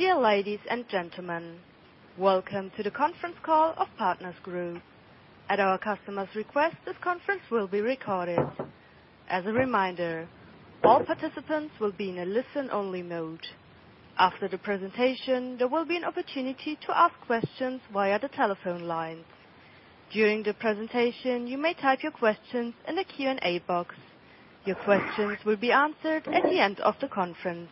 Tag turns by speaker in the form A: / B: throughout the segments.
A: Dear ladies and gentlemen. Welcome to the conference call of Partners Group. At our customer's request, this conference will be recorded. As a reminder, all participants will be in a listen-only mode. After the presentation, there will be an opportunity to ask questions via the telephone lines. During the presentation, you may type your questions in the Q&A box. Your questions will be answered at the end of the conference.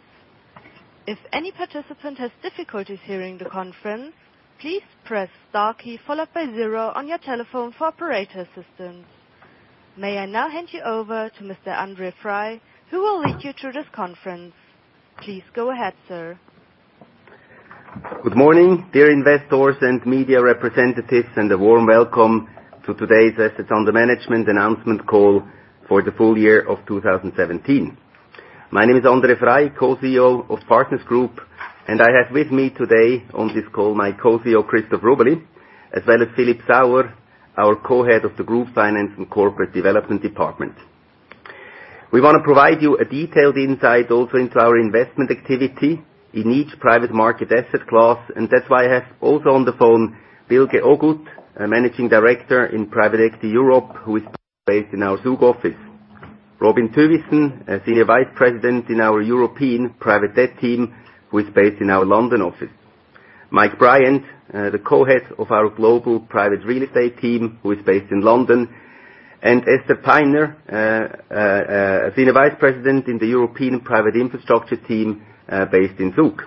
A: If any participant has difficulties hearing the conference, please press star key followed by 0 on your telephone for operator assistance. May I now hand you over to Mr. André Frei, who will lead you through this conference. Please go ahead, sir.
B: Good morning, dear investors and media representatives, and a warm welcome to today's Assets Under Management announcement call for the full year of 2017. My name is André Frei, co-CEO of Partners Group, and I have with me today on this call my co-CEO, Christoph Rubeli, as well as Philip Sauer, our co-head of the Group Finance and Corporate Development Department. We want to provide you a detailed insight also into our investment activity in each private market asset class. That's why I have also on the phone, Bilge Ogut, a managing director in Private Equity Europe, who is based in our Zug office. Robin Thywissen, a senior vice president in our European private debt team, who is based in our London office. Mike Bryant, the co-head of our global private real estate team, who is based in London. Esther Peiner, senior vice president in the European private infrastructure team, based in Zug.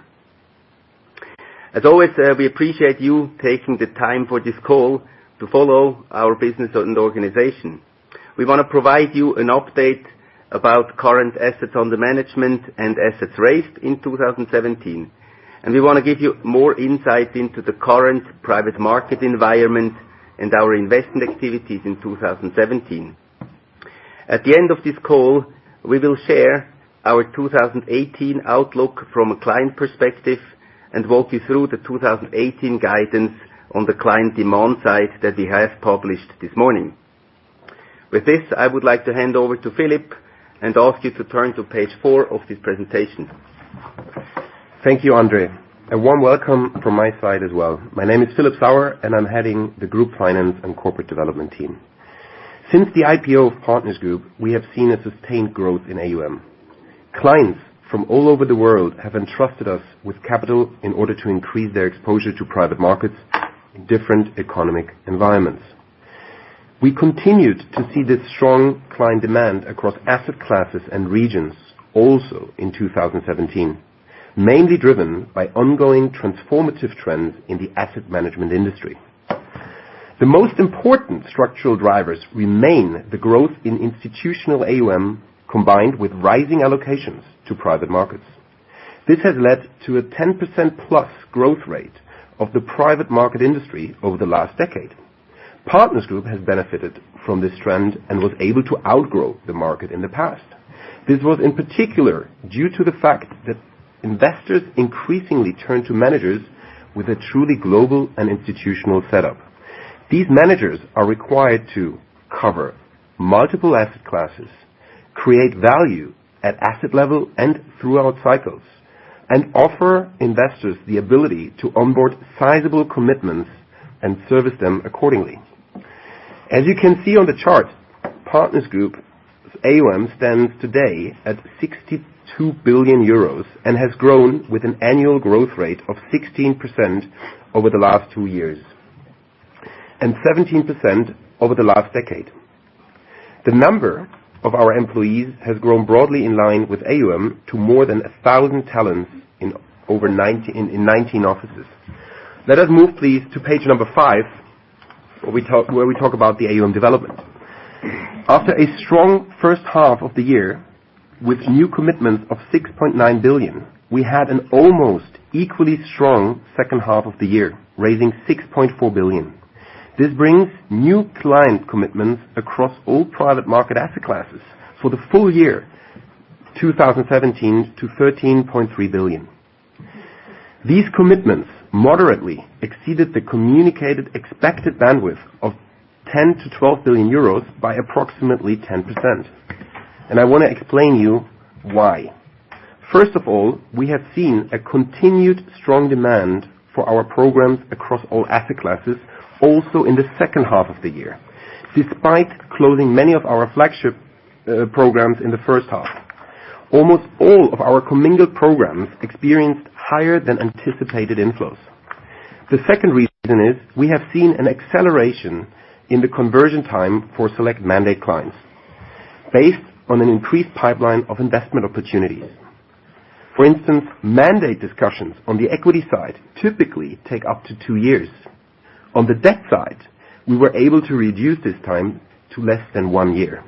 B: As always, we appreciate you taking the time for this call to follow our business and organization. We want to provide you an update about current assets under management and assets raised in 2017, we want to give you more insight into the current private market environment and our investment activities in 2017. At the end of this call, we will share our 2018 outlook from a client perspective and walk you through the 2018 guidance on the client demand side that we have published this morning. With this, I would like to hand over to Philip and ask you to turn to page four of this presentation.
C: Thank you, André. A warm welcome from my side as well. My name is Philip Sauer, I'm heading the Group Finance and Corporate Development team. Since the IPO of Partners Group, we have seen a sustained growth in AUM. Clients from all over the world have entrusted us with capital in order to increase their exposure to private markets in different economic environments. We continued to see this strong client demand across asset classes and regions also in 2017, mainly driven by ongoing transformative trends in the asset management industry. The most important structural drivers remain the growth in institutional AUM, combined with rising allocations to private markets. This has led to a 10% plus growth rate of the private market industry over the last decade. Partners Group has benefited from this trend and was able to outgrow the market in the past. This was in particular due to the fact that investors increasingly turn to managers with a truly global and institutional setup. These managers are required to cover multiple asset classes, create value at asset level and throughout cycles, and offer investors the ability to onboard sizable commitments and service them accordingly. As you can see on the chart, Partners Group's AUM stands today at 62 billion euros and has grown with an annual growth rate of 16% over the last two years, and 17% over the last decade. The number of our employees has grown broadly in line with AUM to more than 1,000 talents in 19 offices. Let us move, please, to page number 5, where we talk about the AUM development. After a strong first half of the year with new commitments of 6.9 billion, we had an almost equally strong second half of the year, raising 6.4 billion. This brings new client commitments across all private market asset classes for the full year 2017 to 13.3 billion. These commitments moderately exceeded the communicated expected bandwidth of 10 billion-12 billion euros by approximately 10%. I want to explain you why. First of all, we have seen a continued strong demand for our programs across all asset classes also in the second half of the year, despite closing many of our flagship programs in the first half. Almost all of our commingled programs experienced higher than anticipated inflows. The second reason is, we have seen an acceleration in the conversion time for select mandate clients based on an increased pipeline of investment opportunities. For instance, mandate discussions on the equity side typically take up to two years. On the debt side, we were able to reduce this time to less than one year.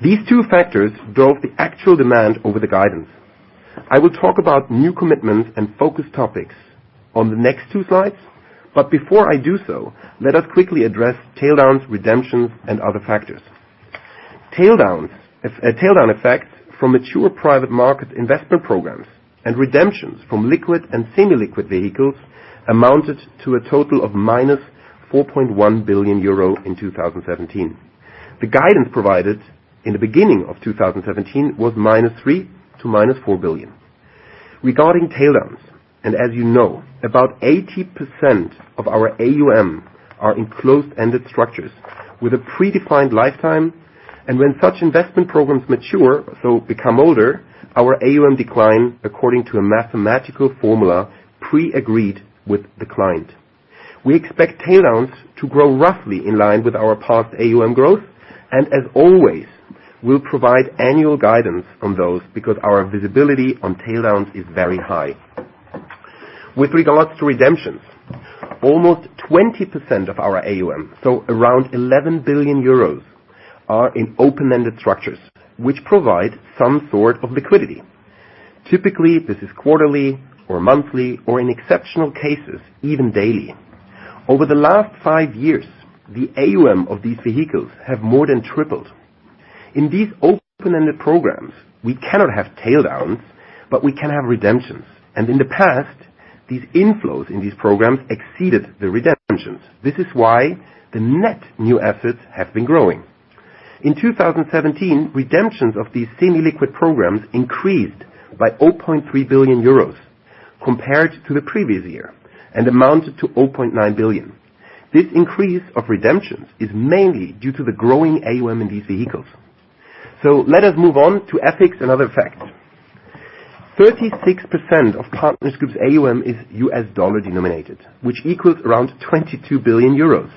C: These two factors drove the actual demand over the guidance. I will talk about new commitments and focus topics on the next two slides, but before I do so, let us quickly address tail downs, redemptions, and other factors. A tail down effect from mature private market investment programs and redemptions from liquid and semi-liquid vehicles amounted to a total of minus 4.1 billion euro in 2017. The guidance provided in the beginning of 2017 was minus 3 billion to minus 4 billion. Regarding tail downs, and as you know, about 80% of our AUM are in closed-ended structures with a predefined lifetime. When such investment programs mature, so become older, our AUM decline according to a mathematical formula pre-agreed with the client. We expect tail downs to grow roughly in line with our past AUM growth, and as always, we'll provide annual guidance on those because our visibility on tail downs is very high. With regards to redemptions, almost 20% of our AUM, so around 11 billion euros, are in open-ended structures, which provide some sort of liquidity. Typically, this is quarterly or monthly, or in exceptional cases, even daily. Over the last five years, the AUM of these vehicles have more than tripled. In these open-ended programs, we cannot have tail downs, but we can have redemptions, and in the past, these inflows in these programs exceeded the redemptions. This is why the net new assets have been growing. In 2017, redemptions of these semi-liquid programs increased by 8.3 billion euros compared to the previous year and amounted to 0.9 billion. This increase of redemptions is mainly due to the growing AUM in these vehicles. Let us move on to FX and other factors. 36% of Partners Group's AUM is U.S. dollar denominated, which equals around 22 billion euros.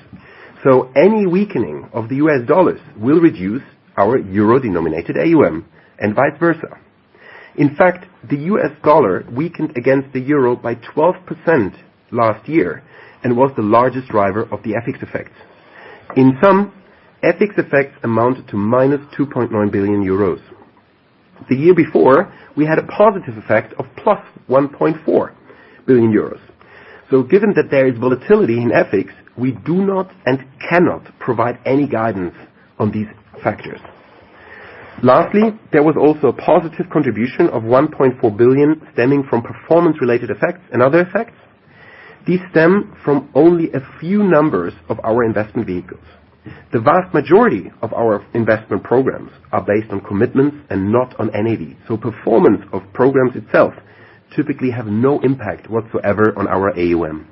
C: Any weakening of the U.S. dollars will reduce our euro-denominated AUM and vice versa. In fact, the U.S. dollar weakened against the euro by 12% last year and was the largest driver of the FX effects. In sum, FX effects amounted to -2.9 billion euros. The year before, we had a positive effect of +1.4 billion euros. Given that there is volatility in FX, we do not and cannot provide any guidance on these factors. Lastly, there was also a positive contribution of 1.4 billion stemming from performance-related effects and other effects. These stem from only a few numbers of our investment vehicles. The vast majority of our investment programs are based on commitments and not on NAV, performance of programs itself typically have no impact whatsoever on our AUM.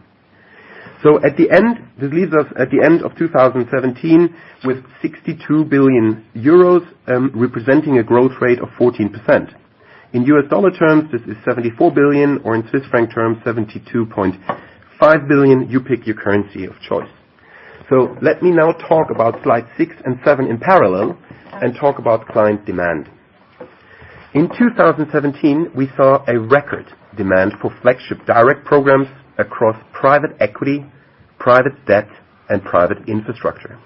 C: At the end, this leaves us at the end of 2017 with 62 billion euros, representing a growth rate of 14%. In U.S. dollar terms, this is $74 billion, or in Swiss franc terms, 72.5 billion. You pick your currency of choice. Let me now talk about slide six and seven in parallel and talk about client demand. In 2017, we saw a record demand for flagship direct programs across private equity, private debt, and private infrastructure.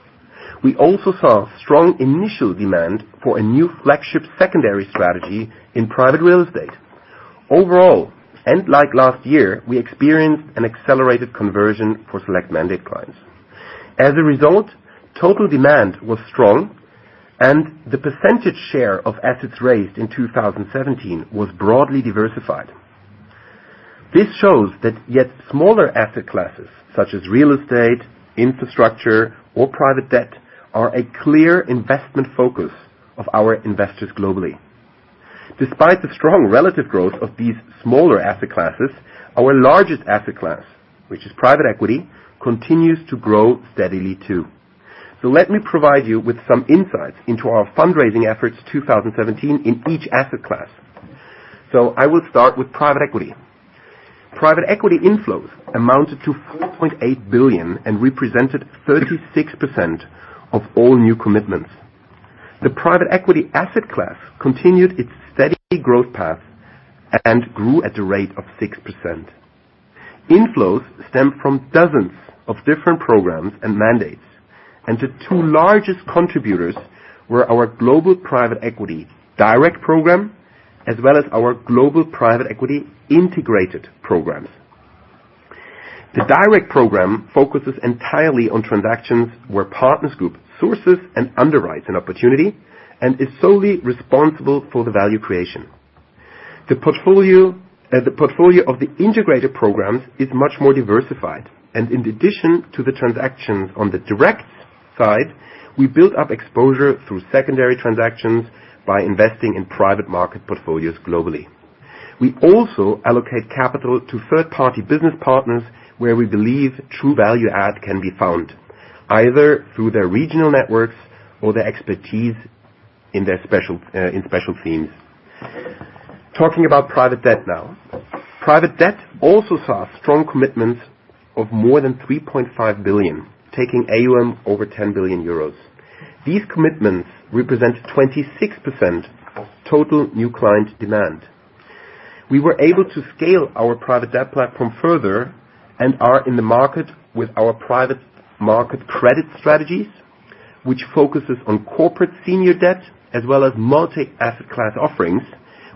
C: We also saw strong initial demand for a new flagship secondary strategy in private real estate. Overall, like last year, we experienced an accelerated conversion for select mandate clients. As a result, total demand was strong and the percentage share of assets raised in 2017 was broadly diversified. This shows that yet smaller asset classes, such as real estate, infrastructure, or private debt, are a clear investment focus of our investors globally. Despite the strong relative growth of these smaller asset classes, our largest asset class, which is private equity, continues to grow steadily too. Let me provide you with some insights into our fundraising efforts 2017 in each asset class. I will start with private equity. Private equity inflows amounted to 4.8 billion and represented 36% of all new commitments. The private equity asset class continued its steady growth path and grew at the rate of 6%. Inflows stemmed from dozens of different programs and mandates, the two largest contributors were our global private equity direct program, as well as our global private equity integrated programs. The direct program focuses entirely on transactions where Partners Group sources and underwrites an opportunity and is solely responsible for the value creation. The portfolio of the integrated programs is much more diversified, and in addition to the transactions on the direct side, we built up exposure through secondary transactions by investing in private market portfolios globally. We also allocate capital to third-party business partners where we believe true value add can be found, either through their regional networks or their expertise in special themes. Talking about private debt now. Private debt also saw strong commitments of more than 3.5 billion, taking AUM over 10 billion euros. These commitments represent 26% of total new client demand. We were able to scale our private debt platform further and are in the market with our private market credit strategies, which focuses on corporate senior debt as well as multi-asset class offerings,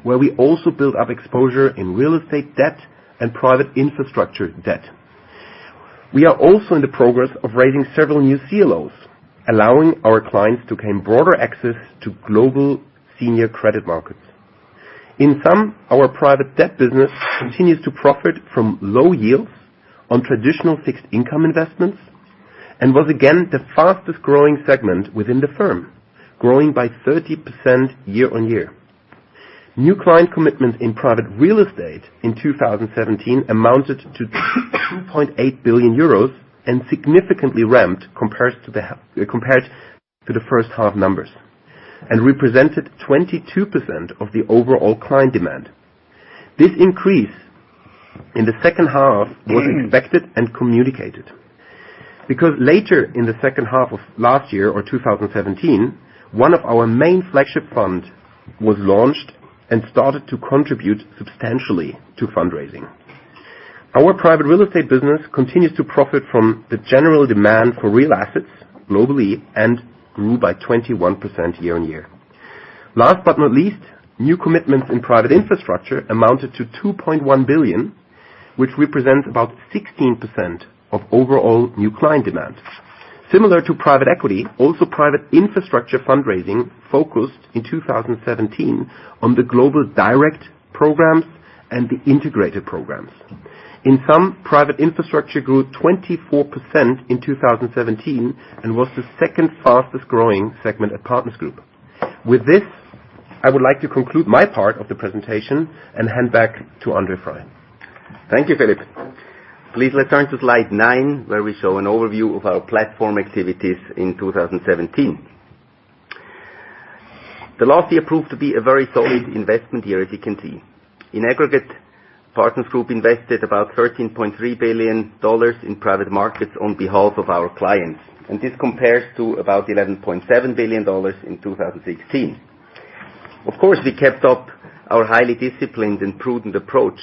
C: where we also build up exposure in real estate debt and private infrastructure debt. We are also in the progress of raising several new CLOs, allowing our clients to gain broader access to global senior credit markets. In sum, our private debt business continues to profit from low yields on traditional fixed income investments was again the fastest growing segment within the firm, growing by 30% year-on-year. New client commitments in private real estate in 2017 amounted to 2.8 billion euros and significantly ramped compared to the first half numbers, and represented 22% of the overall client demand. This increase in the second half was expected and communicated, because later in the second half of last year or 2017, one of our main flagship funds was launched and started to contribute substantially to fundraising. Our private real estate business continues to profit from the general demand for real assets globally and grew by 21% year-on-year. Last but not least, new commitments in private infrastructure amounted to 2.1 billion, which represents about 16% of overall new client demand. Similar to private equity, also private infrastructure fundraising focused in 2017 on the global direct programs and the integrated programs. In sum, private infrastructure grew 24% in 2017 and was the second fastest growing segment at Partners Group. With this, I would like to conclude my part of the presentation and hand back to André Frei.
B: Thank you, Philip. Please let's turn to slide nine, where we show an overview of our platform activities in 2017. The last year proved to be a very solid investment year, as you can see. In aggregate, Partners Group invested about EUR 13.3 billion in private markets on behalf of our clients, and this compares to about EUR 11.7 billion in 2016. Of course, we kept up our highly disciplined and prudent approach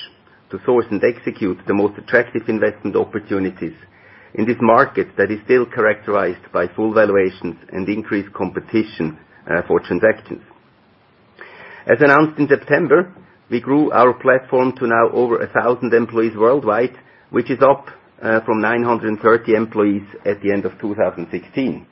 B: to source and execute the most attractive investment opportunities in this market that is still characterized by full valuations and increased competition for transactions. As announced in September, we grew our platform to now over 1,000 employees worldwide, which is up from 930 employees at the end of 2016.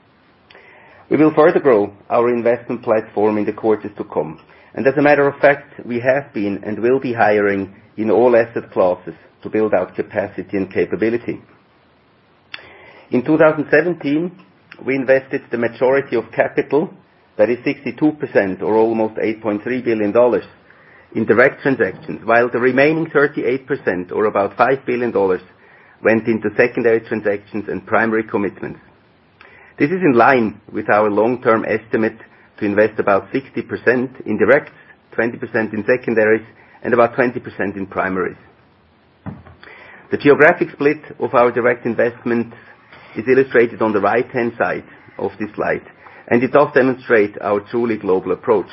B: We will further grow our investment platform in the quarters to come. As a matter of fact, we have been and will be hiring in all asset classes to build out capacity and capability. In 2017, we invested the majority of capital, that is 62% or almost EUR 8.3 billion in direct transactions, while the remaining 38%, or about EUR 5 billion, went into secondary transactions and primary commitments. This is in line with our long-term estimate to invest about 60% in directs, 20% in secondaries, and about 20% in primaries. The geographic split of our direct investments is illustrated on the right-hand side of this slide, and it does demonstrate our truly global approach.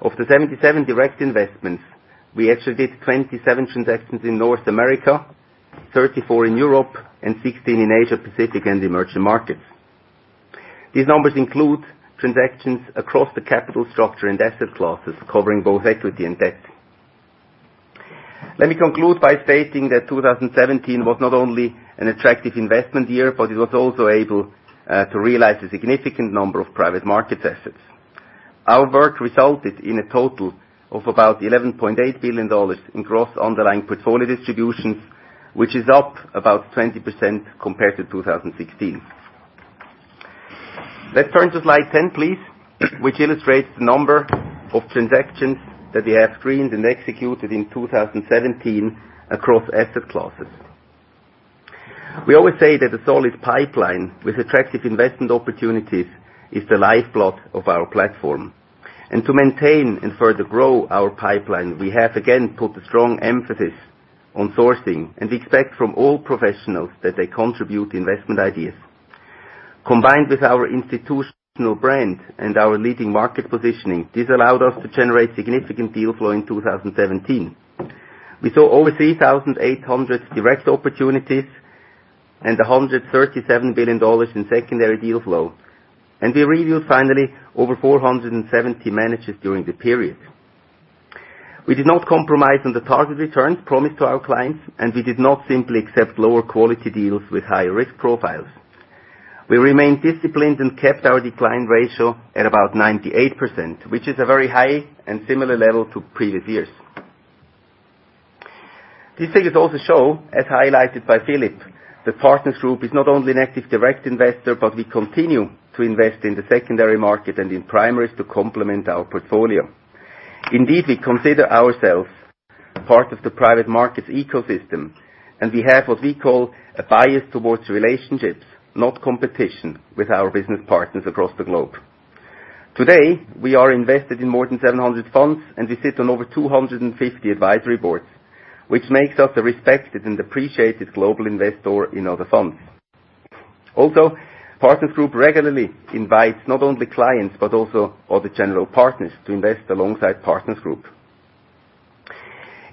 B: Of the 77 direct investments, we executed 27 transactions in North America, 34 in Europe, and 16 in Asia Pacific and the emerging markets. These numbers include transactions across the capital structure and asset classes, covering both equity and debt. Let me conclude by stating that 2017 was not only an attractive investment year, but it was also able to realize a significant number of private market assets. Our work resulted in a total of about EUR 11.8 billion in gross underlying portfolio distributions, which is up about 20% compared to 2016. Let's turn to slide 10, please, which illustrates the number of transactions that we have screened and executed in 2017 across asset classes. We always say that a solid pipeline with attractive investment opportunities is the lifeblood of our platform. To maintain and further grow our pipeline, we have again put a strong emphasis on sourcing and expect from all professionals that they contribute investment ideas. Combined with our institutional brand and our leading market positioning, this allowed us to generate significant deal flow in 2017. We saw over 3,800 direct opportunities and EUR 137 billion in secondary deal flow. We reviewed finally over 470 managers during the period. We did not compromise on the target returns promised to our clients, and we did not simply accept lower quality deals with high risk profiles. We remained disciplined and kept our decline ratio at about 98%, which is a very high and similar level to previous years. These figures also show, as highlighted by Philip, that Partners Group is not only an active direct investor, but we continue to invest in the secondary market and in primaries to complement our portfolio. Indeed, we consider ourselves part of the private markets ecosystem, and we have what we call a bias towards relationships, not competition with our business partners across the globe. Today, we are invested in more than 700 funds, and we sit on over 250 advisory boards, which makes us a respected and appreciated global investor in other funds. Also, Partners Group regularly invites not only clients, but also other general partners to invest alongside Partners Group.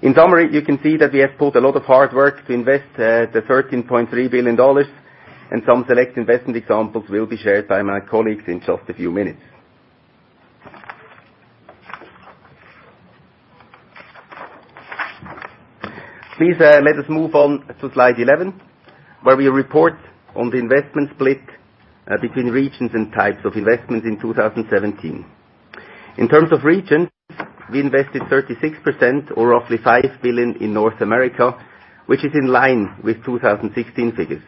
B: In summary, you can see that we have put a lot of hard work to invest the EUR 13.3 billion and some select investment examples will be shared by my colleagues in just a few minutes. Please, let us move on to slide 11, where we report on the investment split between regions and types of investments in 2017. In terms of regions, we invested 36% or roughly 5 billion in North America, which is in line with 2016 figures.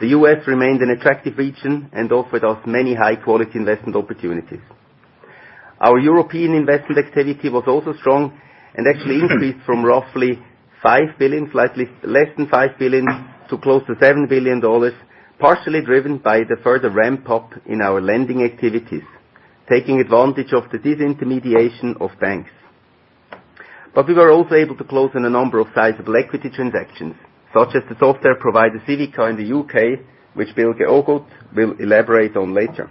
B: The U.S. remained an attractive region and offered us many high-quality investment opportunities. Our European investment activity was also strong and actually increased from roughly less than 5 billion to close to EUR 7 billion, partially driven by the further ramp-up in our lending activities, taking advantage of the disintermediation of banks. We were also able to close on a number of sizable equity transactions, such as the software provider Civica in the U.K., which Bilge Ogut will elaborate on later.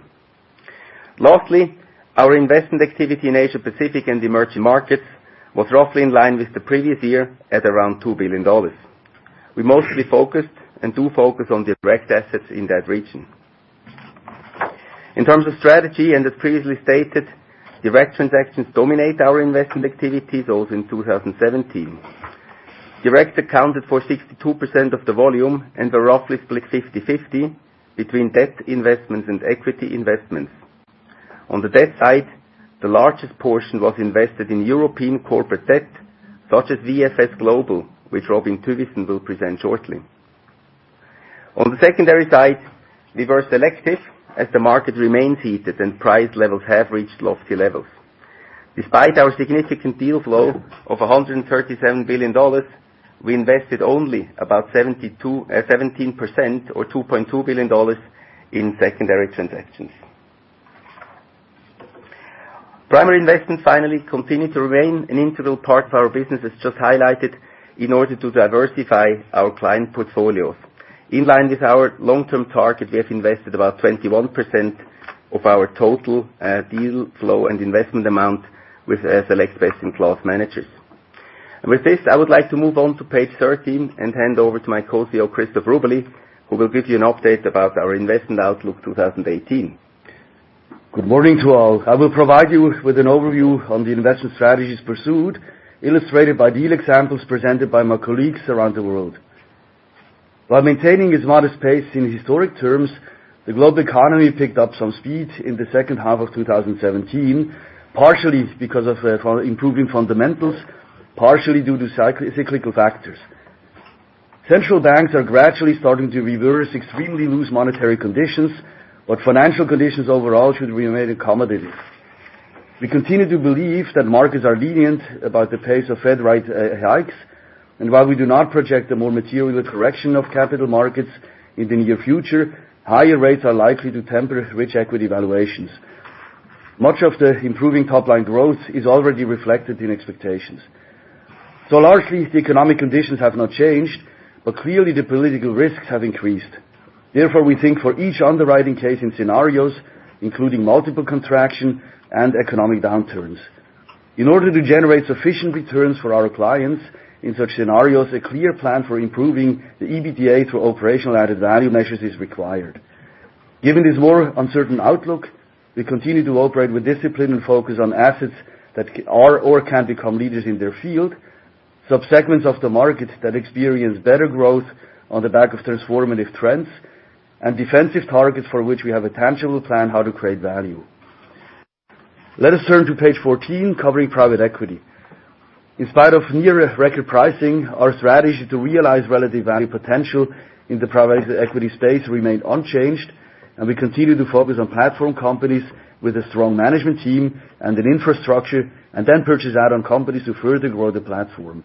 B: Lastly, our investment activity in Asia-Pacific and emerging markets was roughly in line with the previous year at around EUR 2 billion. We mostly focused and do focus on direct assets in that region. In terms of strategy, as previously stated, direct transactions dominate our investment activities, also in 2017. Direct accounted for 62% of the volume and were roughly split 50/50 between debt investments and equity investments. On the debt side, the largest portion was invested in European corporate debt, such as VFS Global, which Robin Thywissen will present shortly. On the secondary side, we were selective as the market remains heated and price levels have reached lofty levels. Despite our significant deal flow of $137 billion, we invested only about 17% or $2.2 billion in secondary transactions. Primary investments finally continue to remain an integral part of our business, as just highlighted, in order to diversify our client portfolios. In line with our long-term target, we have invested about 21% of our total deal flow and investment amount with select best-in-class managers. With this, I would like to move on to page 13 and hand over to my Co-CEO, Christoph Rubeli, who will give you an update about our investment outlook 2018.
D: Good morning to all. I will provide you with an overview on the investment strategies pursued, illustrated by deal examples presented by my colleagues around the world. While maintaining its modest pace in historic terms, the global economy picked up some speed in the second half of 2017, partially because of improving fundamentals, partially due to cyclical factors. Central banks are gradually starting to reverse extremely loose monetary conditions, but financial conditions overall should remain accommodative. We continue to believe that markets are lenient about the pace of Fed rate hikes, and while we do not project a more material correction of capital markets in the near future, higher rates are likely to temper rich equity valuations. Much of the improving top-line growth is already reflected in expectations. Largely, the economic conditions have not changed, but clearly, the political risks have increased. Therefore, we think for each underwriting case and scenarios, including multiple contraction and economic downturns. In order to generate sufficient returns for our clients in such scenarios, a clear plan for improving the EBITDA through operational added value measures is required. Given this more uncertain outlook, we continue to operate with discipline and focus on assets that are or can become leaders in their field, subsegments of the markets that experience better growth on the back of transformative trends, and defensive targets for which we have a tangible plan how to create value. Let us turn to page 14, covering private equity. In spite of near-record pricing, our strategy to realize relative value potential in the private equity space remained unchanged, and we continue to focus on platform companies with a strong management team and an infrastructure, and then purchase add-on companies who further grow the platform.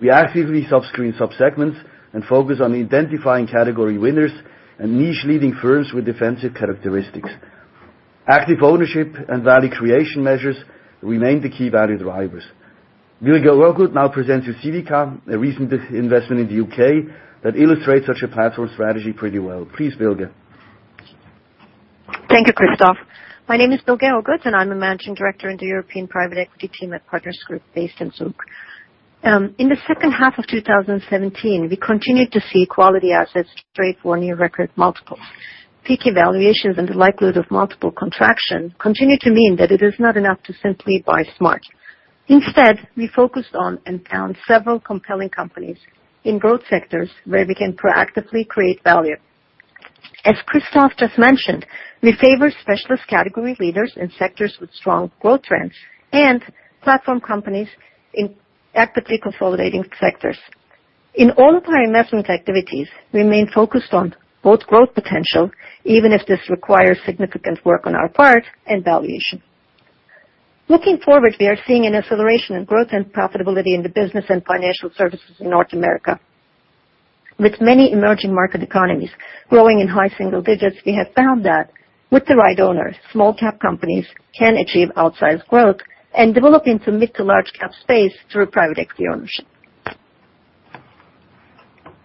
D: We actively screen subsegments and focus on identifying category winners and niche-leading firms with defensive characteristics. Active ownership and value creation measures remain the key value drivers. Bilge Ogut now presents you Civica, a recent investment in the U.K. that illustrates such a platform strategy pretty well. Please, Bilge.
E: Thank you, Christoph. My name is Bilge Ogut, and I'm a managing director in the European private equity team at Partners Group based in Zug. In the second half of 2017, we continued to see quality assets trade for near-record multiples. Peak evaluations and the likelihood of multiple contraction continue to mean that it is not enough to simply buy smart. Instead, we focused on and found several compelling companies in growth sectors where we can proactively create value. As Christoph just mentioned, we favor specialist category leaders in sectors with strong growth trends and platform companies in actively consolidating sectors. In all of our investment activities, we remain focused on both growth potential, even if this requires significant work on our part, and valuation. Looking forward, we are seeing an acceleration in growth and profitability in the business and financial services in North America. With many emerging market economies growing in high single digits, we have found that with the right owner, small cap companies can achieve outsized growth and develop into mid to large cap space through private equity ownership.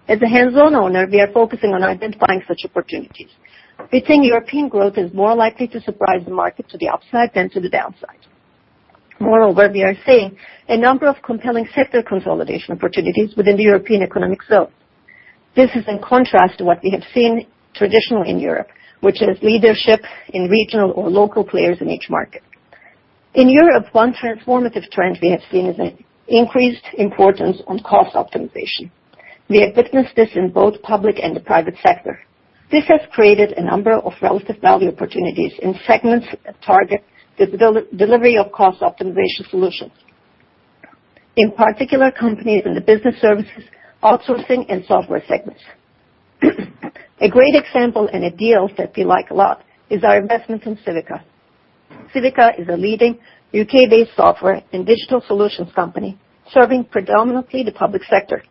E: As a hands-on owner, we are focusing on identifying such opportunities. We think European growth is more likely to surprise the market to the upside than to the downside. Moreover, we are seeing a number of compelling sector consolidation opportunities within the European Economic Area. This is in contrast to what we have seen traditionally in Europe, which is leadership in regional or local players in each market. In Europe, one transformative trend we have seen is an increased importance on cost optimization. We have witnessed this in both public and the private sector. This has created a number of relative value opportunities in segments that target the delivery of cost optimization solutions. In particular, companies in the business services, outsourcing, and software segments. A great example and a deal that we like a lot is our investment in Civica. Civica is a leading U.K.-based software and digital solutions company serving predominantly the public sector.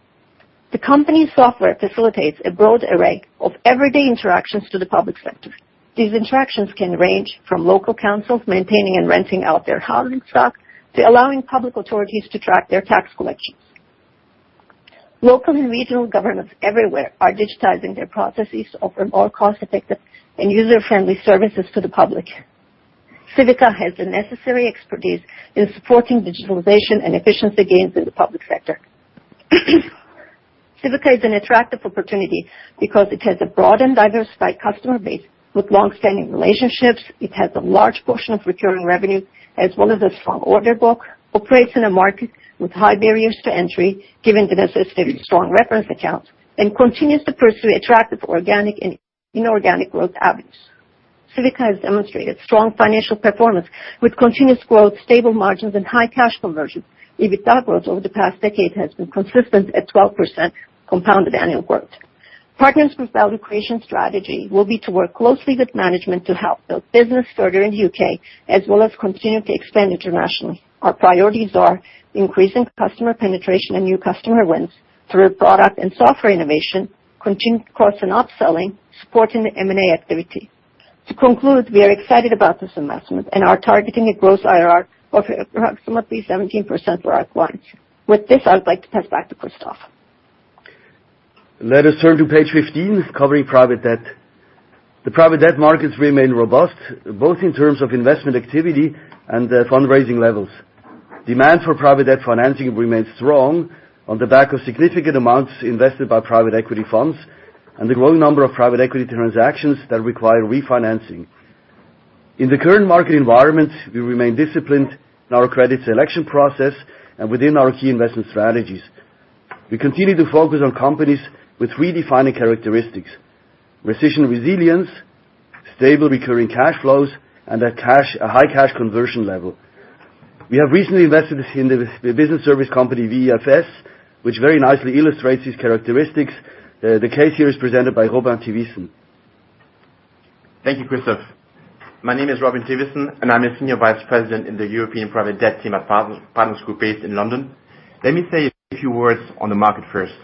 E: The company's software facilitates a broad array of everyday interactions to the public sector. These interactions can range from local councils maintaining and renting out their housing stock to allowing public authorities to track their tax collections. Local and regional governments everywhere are digitizing their processes to offer more cost-effective and user-friendly services to the public. Civica has the necessary expertise in supporting digitalization and efficiency gains in the public sector. Civica is an attractive opportunity because it has a broad and diversified customer base with long-standing relationships. It has a large portion of recurring revenue, as well as a strong order book, operates in a market with high barriers to entry, given the necessary strong reference accounts, and continues to pursue attractive organic and inorganic growth avenues. Civica has demonstrated strong financial performance with continuous growth, stable margins, and high cash conversion. EBITDA growth over the past decade has been consistent at 12% compounded annual growth. Partners Group value creation strategy will be to work closely with management to help build business further in U.K., as well as continue to expand internationally. Our priorities are increasing customer penetration and new customer wins through product and software innovation, continued cross and upselling, supporting the M&A activity. To conclude, we are excited about this investment and are targeting a gross IRR of approximately 17% for quarter one]. With this, I would like to pass back to Christoph.
D: Let us turn to page 15, covering private debt. The private debt markets remain robust, both in terms of investment activity and fundraising levels. Demand for private debt financing remains strong on the back of significant amounts invested by private equity funds and the growing number of private equity transactions that require refinancing. In the current market environment, we remain disciplined in our credit selection process and within our key investment strategies. We continue to focus on companies with three defining characteristics: recession resilience, stable recurring cash flows, and a high cash conversion level. We have recently invested in the business service company, VFS, which very nicely illustrates these characteristics. The case here is presented by Robin Thywissen.
F: Thank you, Christoph. My name is Robin Thywissen, and I'm a senior vice president in the European private debt team at Partners Group, based in London. Let me say a few words on the market first.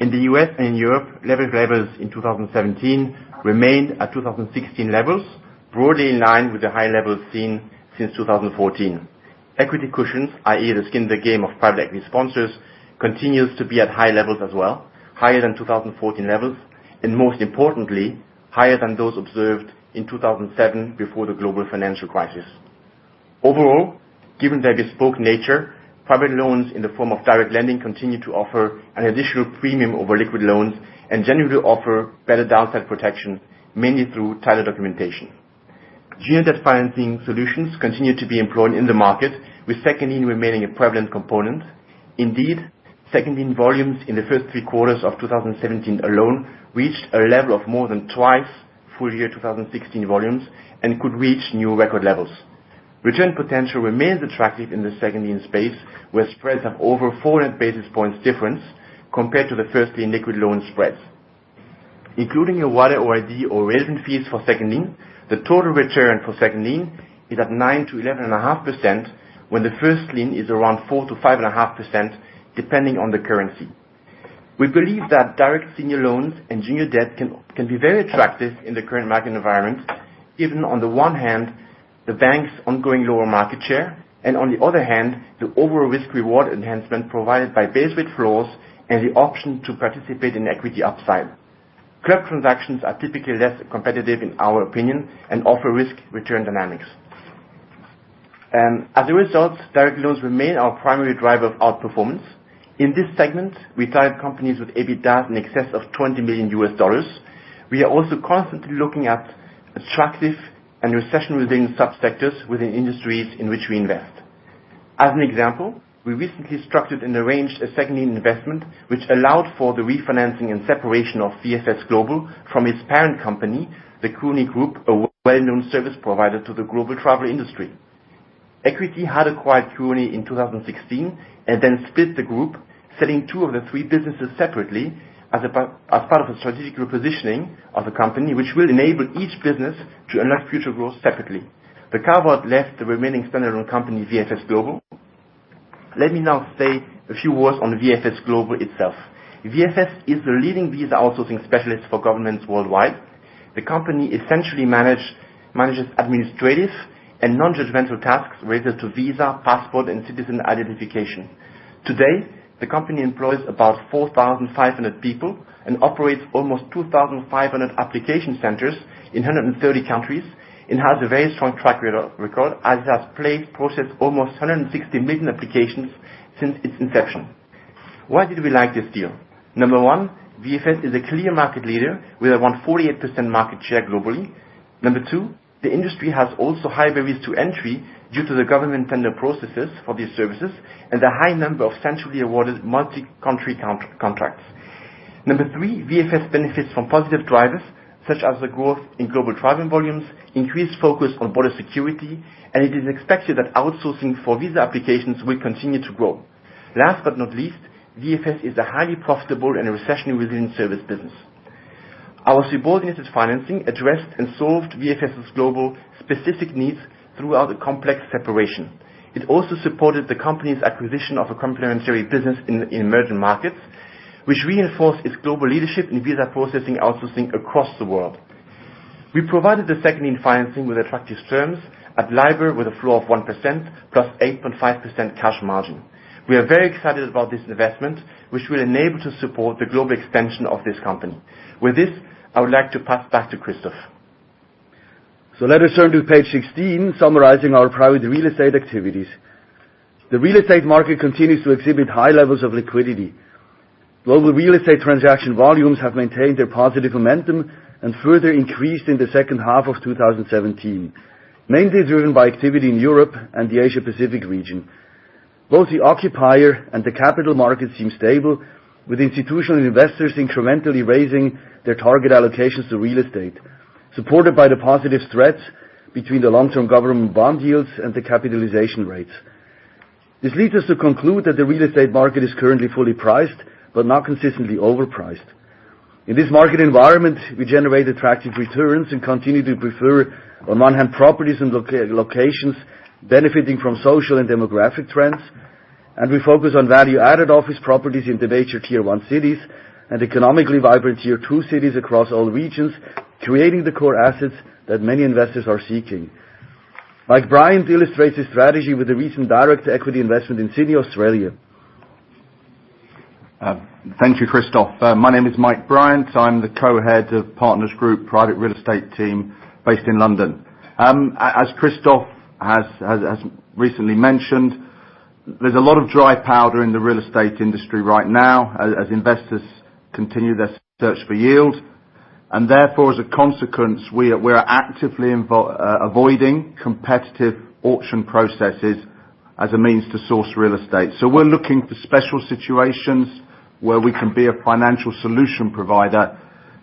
F: In the U.S. and in Europe, leverage levels in 2017 remained at 2016 levels, broadly in line with the high levels seen since 2014. Equity cushions, i.e., the skin in the game of private equity sponsors, continues to be at high levels as well, higher than 2014 levels, and most importantly, higher than those observed in 2007 before the global financial crisis. Overall, given their bespoke nature, private loans in the form of direct lending continue to offer an additional premium over liquid loans and generally offer better downside protection, mainly through tighter documentation. Junior debt financing solutions continue to be employed in the market, with second lien remaining a prevalent component. Indeed, second lien volumes in the first three quarters of 2017 alone reached a level of more than twice full year 2016 volumes and could reach new record levels. Return potential remains attractive in the second lien space, where spreads have over 400 basis points difference compared to the first lien liquid loan spreads. Including a wider OID or raising fees for second lien, the total return for second lien is at 9%-11.5% when the first lien is around 4%-5.5%, depending on the currency. We believe that direct senior loans and junior debt can be very attractive in the current market environment, given on the one hand, the banks' ongoing lower market share, and on the other hand, the overall risk-reward enhancement provided by base rate floors and the option to participate in equity upside. Club transactions are typically less competitive in our opinion and offer risk-return dynamics. As a result, direct loans remain our primary driver of outperformance. In this segment, we target companies with EBITDA in excess of $20 million. We are also constantly looking at attractive and recession-resilient subsectors within industries in which we invest. As an example, we recently structured and arranged a second lien investment, which allowed for the refinancing and separation of VFS Global from its parent company, the Kuoni Group, a well-known service provider to the global travel industry. EQT had acquired Kuoni in 2016 and then split the group, selling two of the three businesses separately as part of a strategic repositioning of the company, which will enable each business to unlock future growth separately. The carve out left the remaining standalone company, VFS Global. Let me now say a few words on VFS Global itself. VFS is the leading visa outsourcing specialist for governments worldwide. The company essentially manages administrative and non-judgmental tasks related to visa, passport, and citizen identification. Today, the company employs about 4,500 people and operates almost 2,500 application centers in 130 countries and has a very strong track record, as it has processed almost 160 million applications since its inception. Why did we like this deal? Number one, VFS is a clear market leader with around 48% market share globally. Number two, the industry has also high barriers to entry due to the government tender processes for these services and the high number of centrally awarded multi-country contracts. Number three, VFS benefits from positive drivers, such as the growth in global driving volumes, increased focus on border security, and it is expected that outsourcing for visa applications will continue to grow. Last but not least, VFS is a highly profitable and recession-resistant service business. Our subordinated financing addressed and solved VFS' global specific needs throughout the complex separation. It also supported the company's acquisition of a complementary business in emerging markets, which reinforced its global leadership in visa processing outsourcing across the world. We provided the second-lien financing with attractive terms at LIBOR with a floor of 1% plus 8.5% cash margin. We are very excited about this investment, which will enable to support the global extension of this company. With this, I would like to pass back to Christoph.
D: Let us turn to page 16, summarizing our private real estate activities. The real estate market continues to exhibit high levels of liquidity, while the real estate transaction volumes have maintained their positive momentum and further increased in the second half of 2017, mainly driven by activity in Europe and the Asia Pacific region. Both the occupier and the capital markets seem stable, with institutional investors incrementally raising their target allocations to real estate, supported by the positive spreads between the long-term government bond yields and the capitalization rates. This leads us to conclude that the real estate market is currently fully priced, but not consistently overpriced. In this market environment, we generate attractive returns and continue to prefer, on one hand, properties and locations benefiting from social and demographic trends, and we focus on value-added office properties in the major Tier 1 cities and economically vibrant Tier 2 cities across all regions, creating the core assets that many investors are seeking. Mike Bryant illustrates this strategy with a recent direct equity investment in Sydney, Australia.
G: Thank you, Christoph. My name is Mike Bryant. I am the co-head of Partners Group private real estate team based in London. As Christoph has recently mentioned, there is a lot of dry powder in the real estate industry right now as investors continue their search for yield. Therefore, as a consequence, we are actively avoiding competitive auction processes as a means to source real estate. We are looking for special situations where we can be a financial solution provider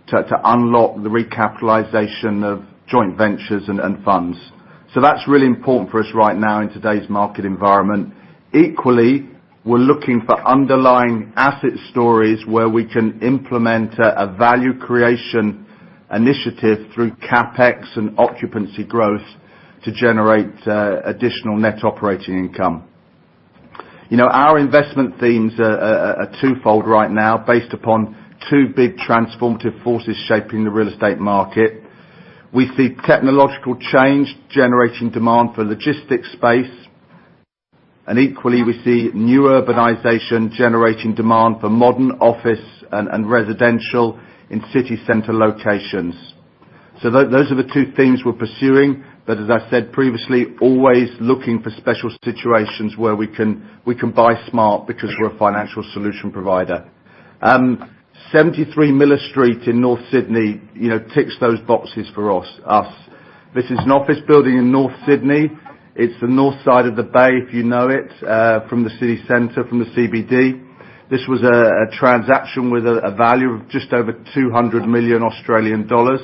G: to unlock the recapitalization of joint ventures and funds. That is really important for us right now in today's market environment. Equally, we are looking for underlying asset stories where we can implement a value creation initiative through CapEx and occupancy growth to generate additional net operating income. Our investment themes are twofold right now, based upon two big transformative forces shaping the real estate market. We see technological change generating demand for logistics space. Equally, we see new urbanization generating demand for modern office and residential in city center locations. Those are the two themes we are pursuing. As I said previously, always looking for special situations where we can buy smart because we are a financial solution provider. 73 Miller Street in North Sydney ticks those boxes for us. This is an office building in North Sydney. It is the north side of the bay, if you know it, from the city center, from the CBD. This was a transaction with a value of just over 200 million Australian dollars,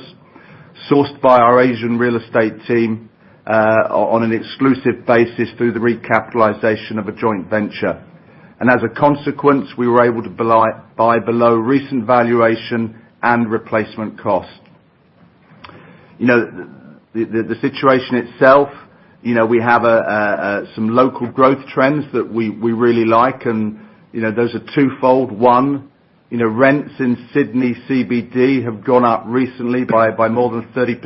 G: sourced by our Asian real estate team on an exclusive basis through the recapitalization of a joint venture. As a consequence, we were able to buy below recent valuation and replacement cost. The situation itself, we have some local growth trends that we really like. Those are twofold. One, rents in Sydney CBD have gone up recently by more than 30%.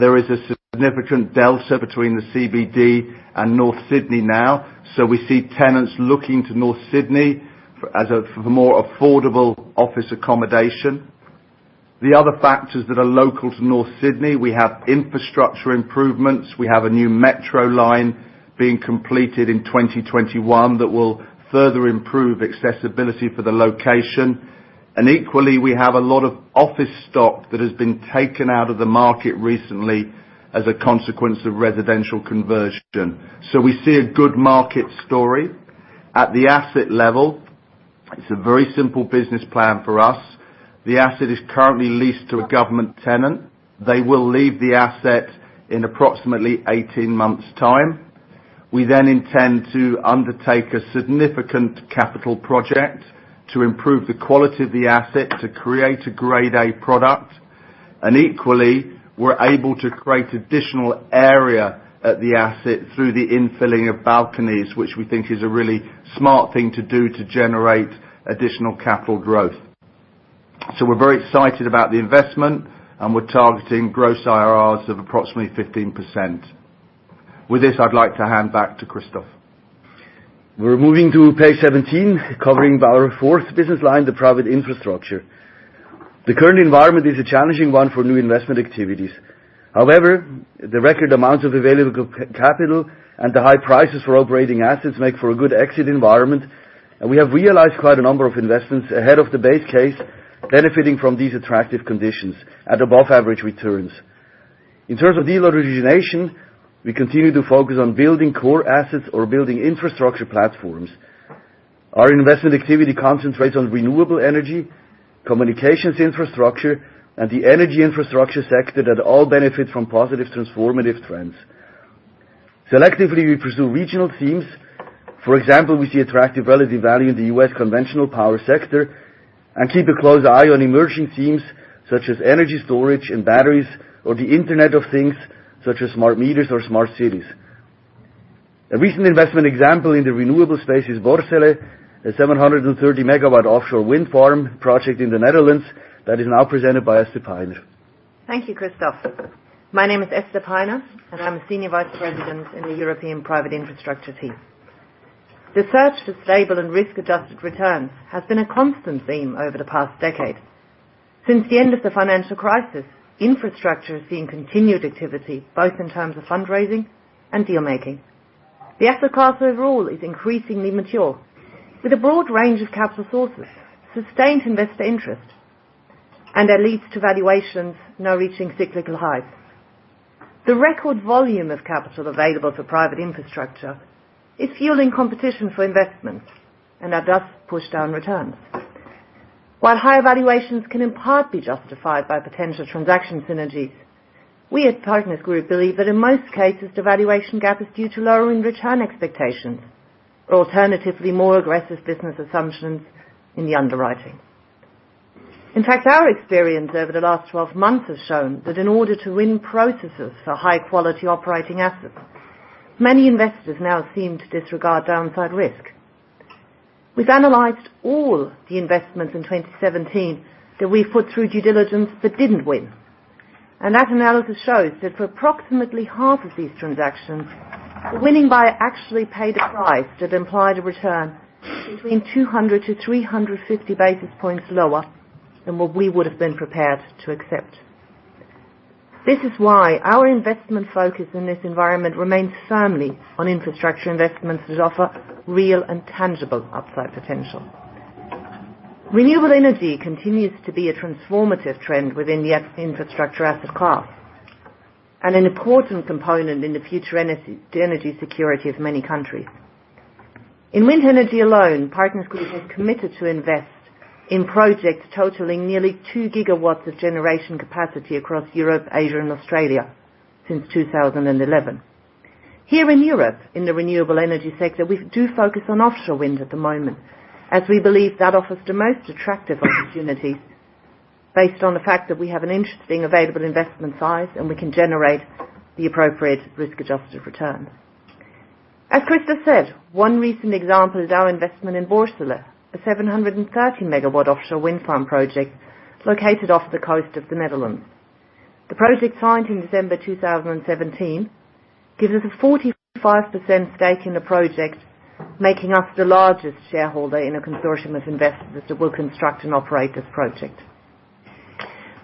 G: There is a significant delta between the CBD and North Sydney now. We see tenants looking to North Sydney for the more affordable office accommodation. The other factors that are local to North Sydney, we have infrastructure improvements. We have a new metro line being completed in 2021 that will further improve accessibility for the location. Equally, we have a lot of office stock that has been taken out of the market recently as a consequence of residential conversion. We see a good market story. At the asset level, it is a very simple business plan for us. The asset is currently leased to a government tenant. They will leave the asset in approximately 18 months' time. We intend to undertake a significant capital project to improve the quality of the asset to create a grade A product. Equally, we are able to create additional area at the asset through the infilling of balconies, which we think is a really smart thing to do to generate additional capital growth. We are very excited about the investment. We are targeting gross IRRs of approximately 15%. With this, I would like to hand back to Christoph.
D: We're moving to page 17, covering our fourth business line, the private infrastructure. The current environment is a challenging one for new investment activities. However, the record amounts of available capital and the high prices for operating assets make for a good exit environment, and we have realized quite a number of investments ahead of the base case, benefiting from these attractive conditions at above-average returns. In terms of deal origination, we continue to focus on building core assets or building infrastructure platforms. Our investment activity concentrates on renewable energy, communications infrastructure, and the energy infrastructure sector that all benefit from positive transformative trends. Selectively, we pursue regional themes. For example, we see attractive relative value in the U.S. conventional power sector and keep a close eye on emerging themes such as energy storage and batteries or the Internet of Things, such as smart meters or smart cities. A recent investment example in the renewable space is Borssele, a 730-megawatt offshore wind farm project in the Netherlands that is now presented by Esther Peiner.
H: Thank you, Christoph. My name is Esther Peiner, and I'm a senior vice president in the European Private Infrastructure team. The search for stable and risk-adjusted return has been a constant theme over the past decade. Since the end of the financial crisis, infrastructure has seen continued activity, both in terms of fundraising and deal making. The asset class overall is increasingly mature with a broad range of capital sources, sustained investor interest. That leads to valuations now reaching cyclical highs. The record volume of capital available for private infrastructure is fueling competition for investments. That does push down returns. While high valuations can in part be justified by potential transaction synergies, we at Partners Group believe that in most cases, the valuation gap is due to lowering return expectations or alternatively, more aggressive business assumptions in the underwriting. In fact, our experience over the last 12 months has shown that in order to win processes for high-quality operating assets, many investors now seem to disregard downside risk. We've analyzed all the investments in 2017 that we put through due diligence but didn't win, and that analysis shows that for approximately half of these transactions, the winning buyer actually paid a price that implied a return between 200-350 basis points lower than what we would've been prepared to accept. This is why our investment focus in this environment remains firmly on infrastructure investments that offer real and tangible upside potential. Renewable energy continues to be a transformative trend within the infrastructure asset class and an important component in the future energy security of many countries. In wind energy alone, Partners Group has committed to invest in projects totaling nearly 2 gigawatts of generation capacity across Europe, Asia, and Australia since 2011. Here in Europe, in the renewable energy sector, we do focus on offshore wind at the moment, as we believe that offers the most attractive opportunities based on the fact that we have an interesting available investment size, and we can generate the appropriate risk-adjusted return. As Christoph said, one recent example is our investment in Borssele, a 730-megawatt offshore wind farm project located off the coast of the Netherlands. The project signed in December 2017, gives us a 45% stake in the project, making us the largest shareholder in a consortium of investors that will construct and operate this project.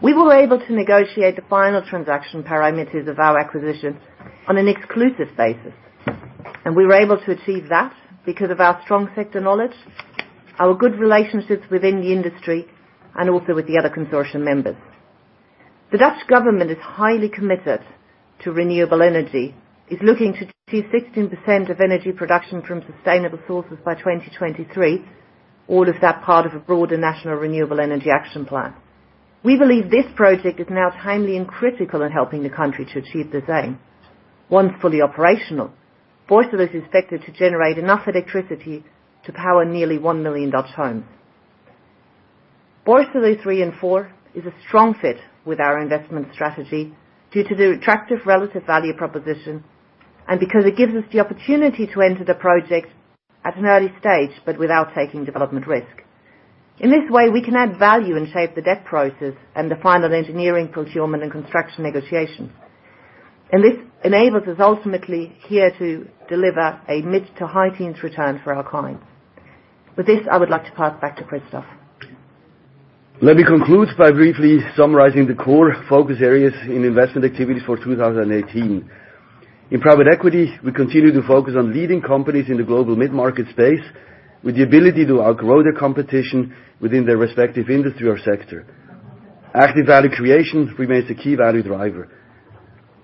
H: We were able to negotiate the final transaction parameters of our acquisition on an exclusive basis, we were able to achieve that because of our strong sector knowledge, our good relationships within the industry, and also with the other consortium members. The Dutch government is highly committed to renewable energy, is looking to achieve 16% of energy production from sustainable sources by 2023. All of that part of a broader national renewable energy action plan. We believe this project is now timely and critical in helping the country to achieve the same. Once fully operational, Borssele is expected to generate enough electricity to power nearly 1 million Dutch homes. Borssele III and IV is a strong fit with our investment strategy due to the attractive relative value proposition and because it gives us the opportunity to enter the project at an early stage but without taking development risk. In this way, we can add value and shape the debt process and the final engineering procurement and construction negotiation. This enables us ultimately here to deliver a mid to high teens return for our clients. With this, I would like to pass back to Christoph.
D: Let me conclude by briefly summarizing the core focus areas in investment activities for 2018. In private equity, we continue to focus on leading companies in the global mid-market space with the ability to outgrow their competition within their respective industry or sector. Active value creation remains a key value driver.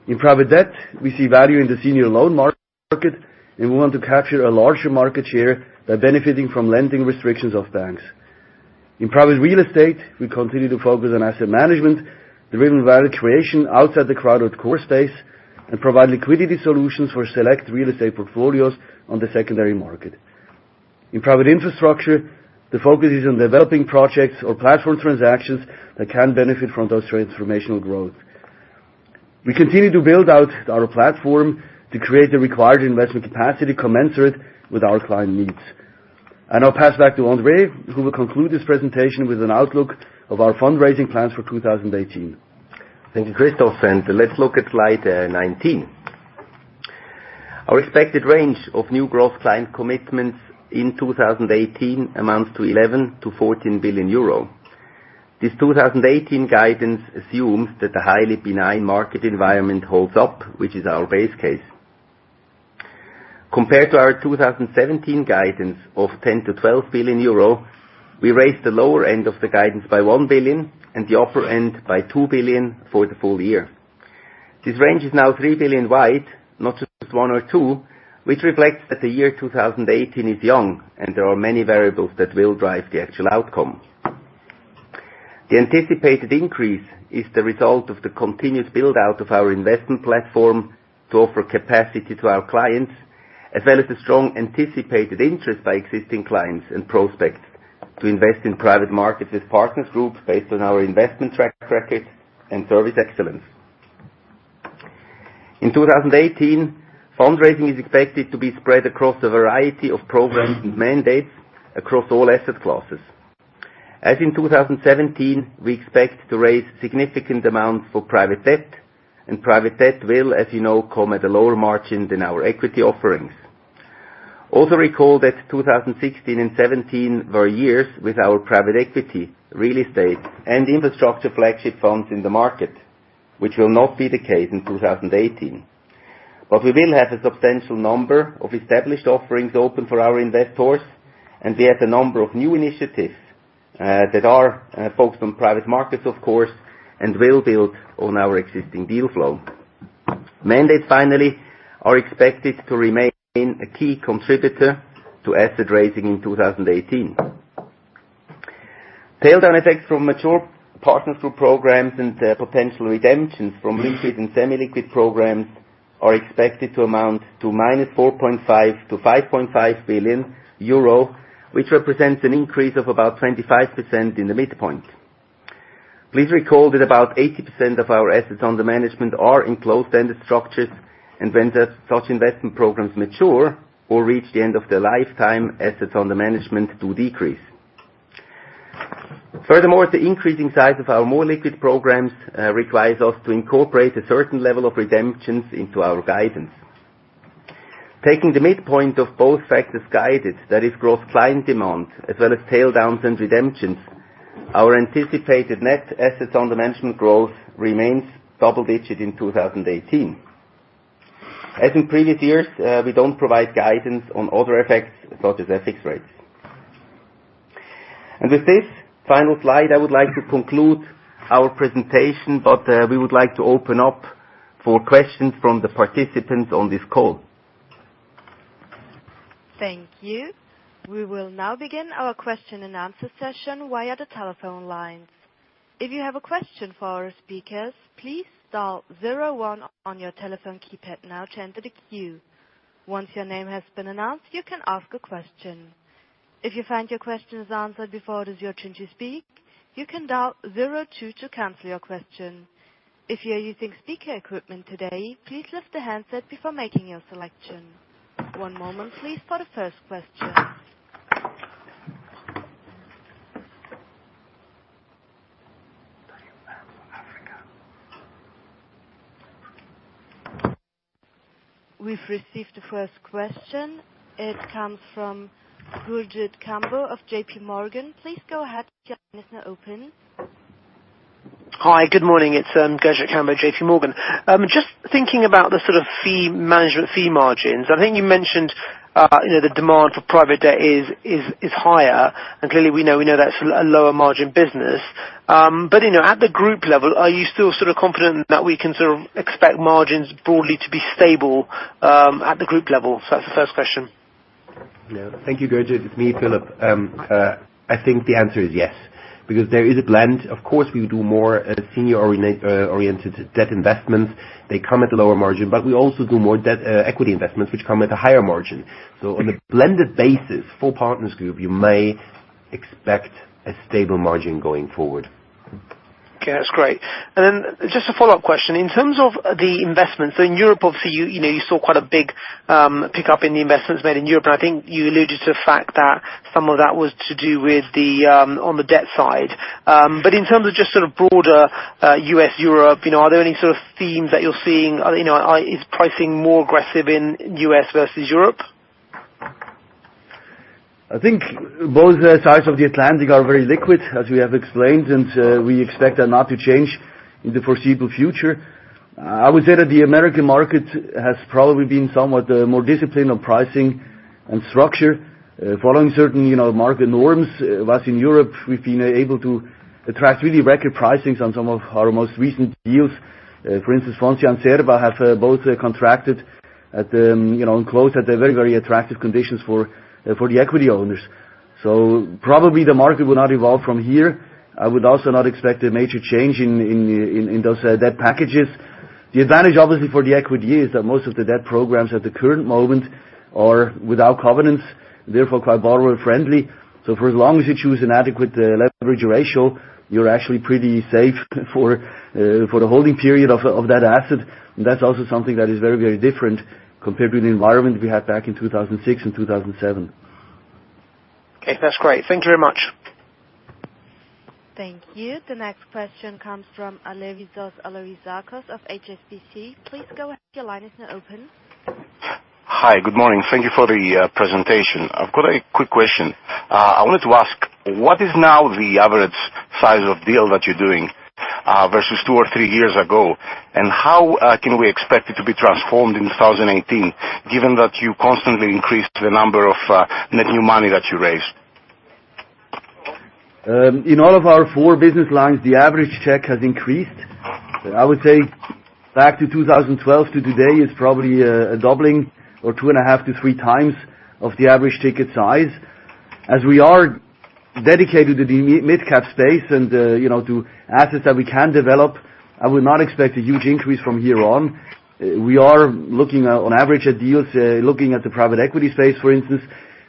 D: In private debt, we see value in the senior loan market, we want to capture a larger market share by benefiting from lending restrictions of banks. In private real estate, we continue to focus on asset management, driven value creation outside the crowded core space, provide liquidity solutions for select real estate portfolios on the secondary market. In private infrastructure, the focus is on developing projects or platform transactions that can benefit from those transformational growth. We continue to build out our platform to create the required investment capacity commensurate with our client needs. I'll pass back to André, who will conclude this presentation with an outlook of our fundraising plans for 2018.
B: Thank you, Christoph, let's look at slide 19. Our expected range of new gross client commitments in 2018 amounts to 11 billion-14 billion euro. This 2018 guidance assumes that the highly benign market environment holds up, which is our base case. Compared to our 2017 guidance of 10 billion-12 billion euro, we raised the lower end of the guidance by 1 billion and the upper end by 2 billion for the full year. This range is now 3 billion wide, not just one or two, which reflects that the year 2018 is young, there are many variables that will drive the actual outcome. The anticipated increase is the result of the continuous build-out of our investment platform to offer capacity to our clients, as well as the strong anticipated interest by existing clients and prospects to invest in private markets with Partners Group based on our investment track record and service excellence. In 2018, fundraising is expected to be spread across a variety of programs and mandates across all asset classes. As in 2017, we expect to raise significant amounts for private debt, private debt will, as you know, come at a lower margin than our equity offerings. Also recall that 2016 and 2017 were years with our private equity real estate and infrastructure flagship funds in the market, which will not be the case in 2018. We will have a substantial number of established offerings open for our investors, we have a number of new initiatives that are focused on private markets, of course, will build on our existing deal flow. Mandates finally are expected to remain a key contributor to asset raising in 2018. Taildown effects from mature Partners Group programs and potential redemptions from liquid and semi-liquid programs are expected to amount to minus 4.5 billion-5.5 billion euro, which represents an increase of about 25% in the midpoint. Please recall that about 80% of our assets under management are in closed-ended structures, when such investment programs mature or reach the end of their lifetime, assets under management do decrease. Furthermore, the increasing size of our more liquid programs requires us to incorporate a certain level of redemptions into our guidance. Taking the midpoint of both factors guided, that is growth client demand as well as taildowns and redemptions, our anticipated net AUM growth remains double-digit in 2018. As in previous years, we don't provide guidance on other effects such as FX rates. With this final slide, I would like to conclude our presentation, we would like to open up for questions from the participants on this call.
A: Thank you. We will now begin our question and answer session via the telephone lines. If you have a question for our speakers, please dial zero one on your telephone keypad now to enter the queue. Once your name has been announced, you can ask a question. If you find your question is answered before it is your turn to speak, you can dial zero two to cancel your question. If you are using speaker equipment today, please lift the handset before making your selection. One moment please for the first question. We've received the first question. It comes from Gurjit Kambo of J.P. Morgan. Please go ahead. Your line is now open.
I: Hi. Good morning. It's Gurjit Kambo, J.P. Morgan. Just thinking about the sort of management fee margins. I think you mentioned the demand for private debt is higher, clearly, we know that's a lower margin business. At the group level, are you still sort of confident that we can sort of expect margins broadly to be stable at the group level? That's the first question.
C: Yeah. Thank you, Gurjit. It's me, Philip. I think the answer is yes, because there is a blend. Of course, we do more senior-oriented debt investments. They come at a lower margin, we also do more debt equity investments, which come at a higher margin. On a blended basis for Partners Group, you may expect a stable margin going forward.
I: Okay. That's great. Then just a follow-up question. In terms of the investments in Europe, obviously, you saw quite a big pickup in the investments made in Europe, I think you alluded to the fact that some of that was to do with on the debt side. In terms of just sort of broader U.S.-Europe, are there any sort of themes that you're seeing? Is pricing more aggressive in U.S. versus Europe?
D: I think both sides of the Atlantic are very liquid, as we have explained, we expect that not to change in the foreseeable future. I would say that the American market has probably been somewhat more disciplined on pricing and structure, following certain market norms, whilst in Europe we've been able to attract really record pricings on some of our most recent deals. For instance, Foncia and Cerberus have both contracted at the close at a very attractive conditions for the equity owners. Probably the market will not evolve from here. I would also not expect a major change in those debt packages. The advantage obviously for the equity is that most of the debt programs at the current moment are without covenants, therefore quite borrower-friendly. For as long as you choose an adequate leverage ratio, you're actually pretty safe for the holding period of that asset. That's also something that is very different compared to the environment we had back in 2006 and 2007.
I: Okay. That's great. Thank you very much.
A: Thank you. The next question comes from Alevizos Alivizakos of HSBC. Please go ahead, your line is now open.
J: Hi. Good morning. Thank you for the presentation. I've got a quick question. I wanted to ask, what is now the average size of deal that you're doing? Versus two or three years ago. How can we expect it to be transformed in 2018, given that you constantly increase the number of net new money that you raised?
D: In all of our four business lines, the average check has increased. I would say back to 2012 to today is probably a doubling or two and a half to three times of the average ticket size. As we are dedicated to the mid-cap space and to assets that we can develop, I would not expect a huge increase from here on. We are looking on average at deals, looking at the private equity space, for instance,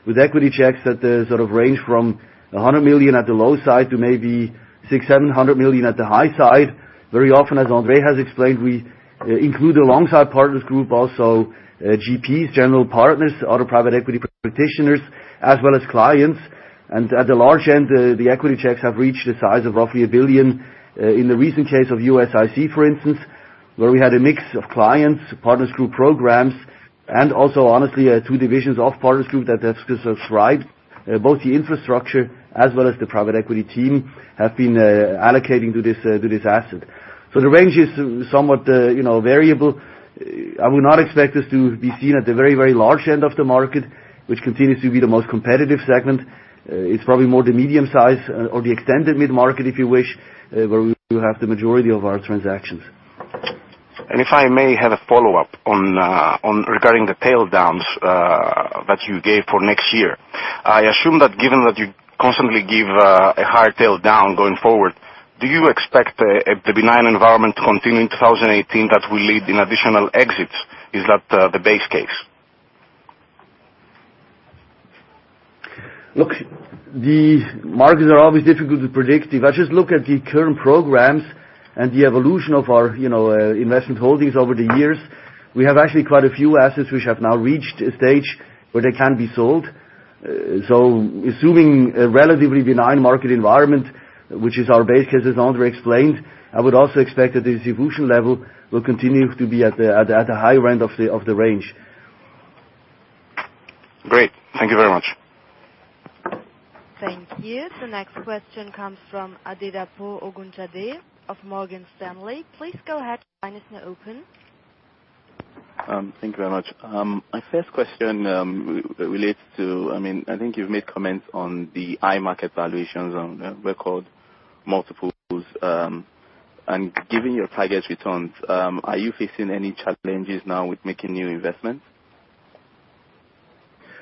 D: with equity checks that sort of range from $100 million at the low side to maybe $6,700 million at the high side. Very often, as André has explained, we include alongside Partners Group also GPs, general partners, other private equity practitioners, as well as clients. At the large end, the equity checks have reached a size of roughly $1 billion. In the recent case of USIC, for instance, where we had a mix of clients, Partners Group programs, and also honestly, two divisions of Partners Group that have subscribed. Both the infrastructure as well as the private equity team have been allocating to this asset. The range is somewhat variable. I would not expect this to be seen at the very, very large end of the market, which continues to be the most competitive segment. It is probably more the medium size or the extended mid-market, if you wish, where we have the majority of our transactions.
J: If I may have a follow-up on regarding the tail downs that you gave for next year. I assume that given that you constantly give a hard tail down going forward, do you expect the benign environment to continue in 2018 that will lead in additional exits? Is that the base case?
D: The markets are always difficult to predict. If I just look at the current programs and the evolution of our investment holdings over the years, we have actually quite a few assets which have now reached a stage where they can be sold. Assuming a relatively benign market environment, which is our base case, as André explained, I would also expect that the distribution level will continue to be at the high end of the range.
J: Great. Thank you very much.
A: Thank you. The next question comes from Adedapo Ogunjade of Morgan Stanley. Please go ahead. Line is now open.
K: Thank you very much. My first question relates to, I think you've made comments on the high market valuations on record multiples. Given your target returns, are you facing any challenges now with making new investments?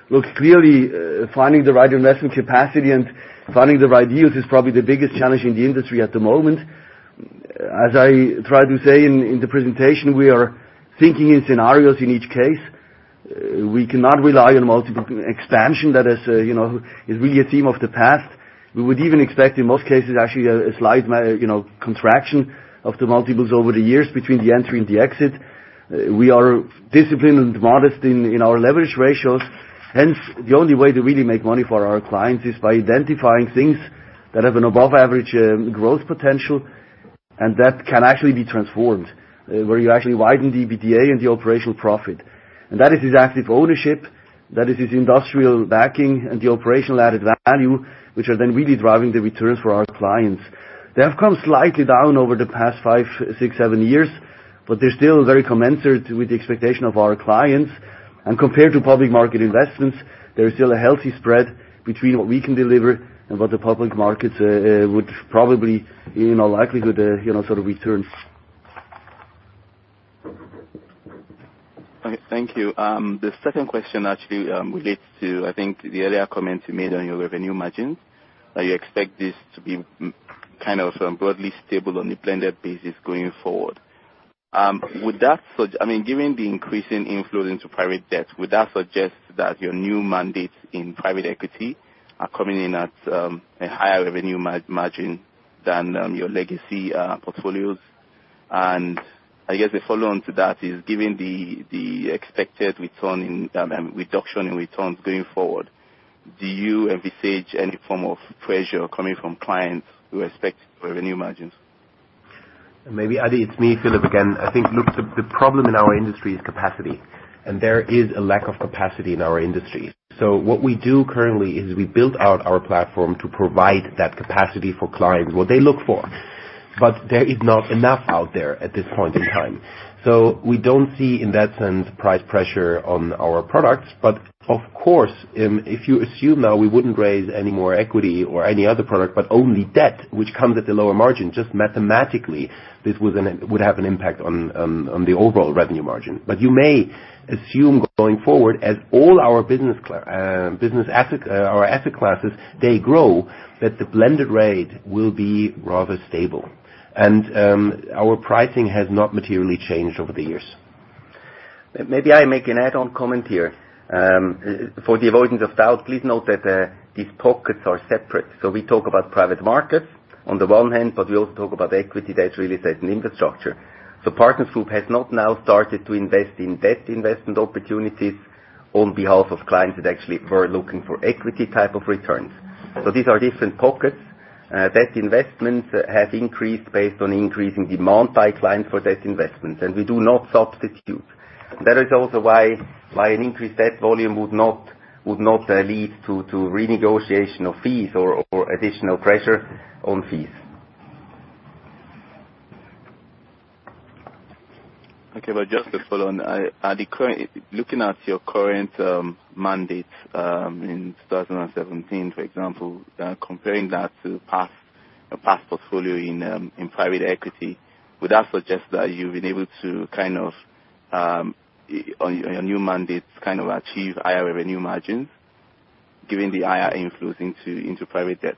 D: Look, clearly, finding the right investment capacity and finding the right deals is probably the biggest challenge in the industry at the moment. As I tried to say in the presentation, we are thinking in scenarios in each case. We cannot rely on multiple expansion. That is really a theme of the past. We would even expect, in most cases, actually, a slight contraction of the multiples over the years between the entry and the exit. We are disciplined and modest in our leverage ratios. Hence, the only way to really make money for our clients is by identifying things that have an above-average growth potential and that can actually be transformed, where you actually widen the EBITDA and the operational profit. That is this active ownership, that is this industrial backing and the operational added value, which are then really driving the returns for our clients. They have come slightly down over the past five, six, seven years, but they're still very commensurate with the expectation of our clients. Compared to public market investments, there is still a healthy spread between what we can deliver and what the public markets would probably in all likelihood, sort of returns.
K: Okay, thank you. The second question actually relates to, I think the earlier comments you made on your revenue margins. You expect this to be broadly stable on a blended basis going forward. Given the increasing inflow into private debt, would that suggest that your new mandates in private equity are coming in at a higher revenue margin than your legacy portfolios? I guess a follow-on to that is, given the expected reduction in returns going forward, do you envisage any form of pressure coming from clients who expect revenue margins?
C: Maybe, Adi, it's me, Philip, again. The problem in our industry is capacity. There is a lack of capacity in our industry. What we do currently is we build out our platform to provide that capacity for clients, what they look for. There is not enough out there at this point in time. We don't see, in that sense, price pressure on our products. Of course, if you assume now we wouldn't raise any more equity or any other product, but only debt, which comes at a lower margin, just mathematically, this would have an impact on the overall revenue margin. You may assume going forward, as all our asset classes, they grow, that the blended rate will be rather stable. Our pricing has not materially changed over the years.
D: Maybe I make an add-on comment here. For the avoidance of doubt, please note that these pockets are separate. We talk about private markets on the one hand, but we also talk about equity, debt, real estate, and infrastructure. Partners Group has not now started to invest in debt investment opportunities on behalf of clients that actually were looking for equity type of returns. These are different pockets. Debt investments have increased based on increasing demand by clients for debt investments. We do not substitute. That is also why an increased debt volume would not lead to renegotiation of fees or additional pressure on fees.
K: Okay, just to follow on. Looking at your current mandate, in 2017, for example, comparing that to a past portfolio in private equity, would that suggest that you've been able to, on your new mandates, achieve higher revenue margins given the higher influence into private debt?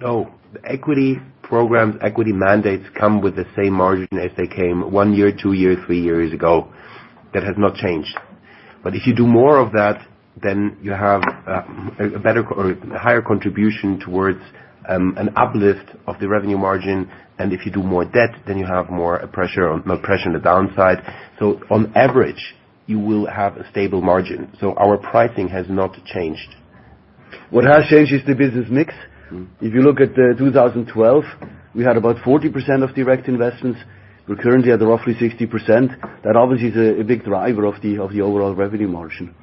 D: No. The equity programs, equity mandates come with the same margin as they came one year, two years, three years ago. That has not changed. If you do more of that, then you have a higher contribution towards an uplift of the revenue margin, and if you do more debt, then you have more pressure on the downside. On average, you will have a stable margin. Our pricing has not changed. What has changed is the business mix. If you look at 2012, we had about 40% of direct investments. We're currently at roughly 60%. That obviously is a big driver of the overall revenue margin.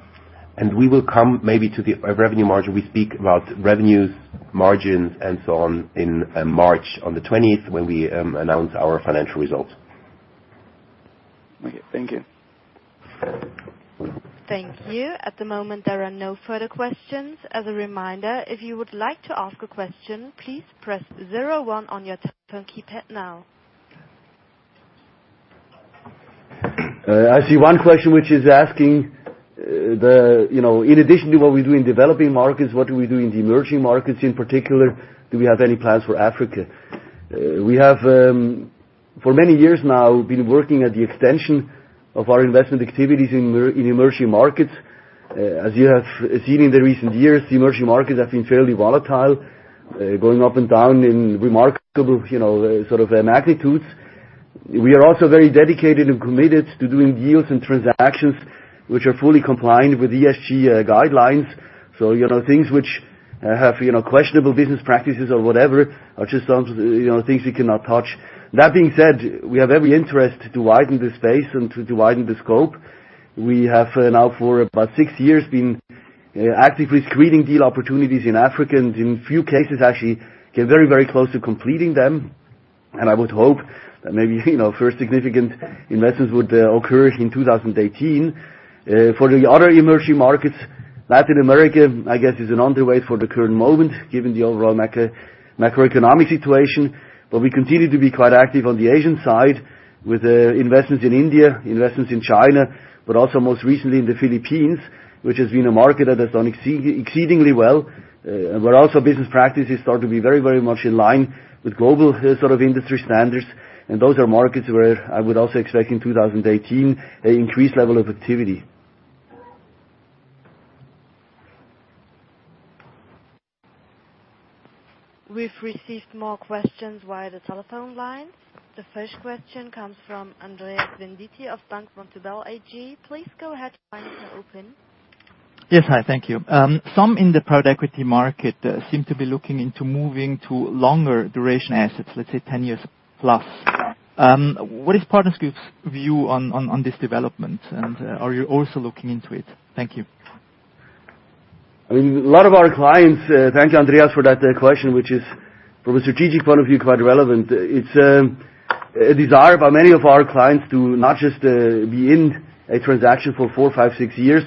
D: We will come maybe to the revenue margin. We speak about revenues, margins, and so on in March on the 20th when we announce our financial results.
K: Okay. Thank you.
A: Thank you. At the moment, there are no further questions. As a reminder, if you would like to ask a question, please press zero one on your telephone keypad now.
D: I see one question, which is asking, in addition to what we do in developing markets, what do we do in the emerging markets, in particular, do we have any plans for Africa? We have for many years now, been working at the extension of our investment activities in emerging markets. As you have seen in the recent years, the emerging markets have been fairly volatile, going up and down in remarkable magnitudes. We are also very dedicated and committed to doing deals and transactions which are fully compliant with ESG guidelines. Things which have questionable business practices or whatever are just things we cannot touch. That being said, we have every interest to widen the space and to widen the scope. We have now for about six years been actively screening deal opportunities in Africa, and in few cases actually came very close to completing them. I would hope that maybe, first significant investments would occur in 2018. For the other emerging markets, Latin America, I guess, is an underway for the current moment, given the overall macroeconomic situation. We continue to be quite active on the Asian side with investments in India, investments in China, but also most recently in the Philippines, which has been a market that has done exceedingly well. Business practices start to be very much in line with global industry standards, and those are markets where I would also expect in 2018, an increased level of activity.
A: We've received more questions via the telephone line. The first question comes from Andreas Venditti of Bank Vontobel AG. Please go ahead. Your line is now open.
L: Yes, hi. Thank you. Some in the private equity market seem to be looking into moving to longer duration assets, let's say 10 years plus. What is Partners Group's view on this development? Are you also looking into it? Thank you.
D: Thank you, Andreas, for that question, which is from a strategic point of view, quite relevant. It's a desire by many of our clients to not just be in a transaction for four, five, six years,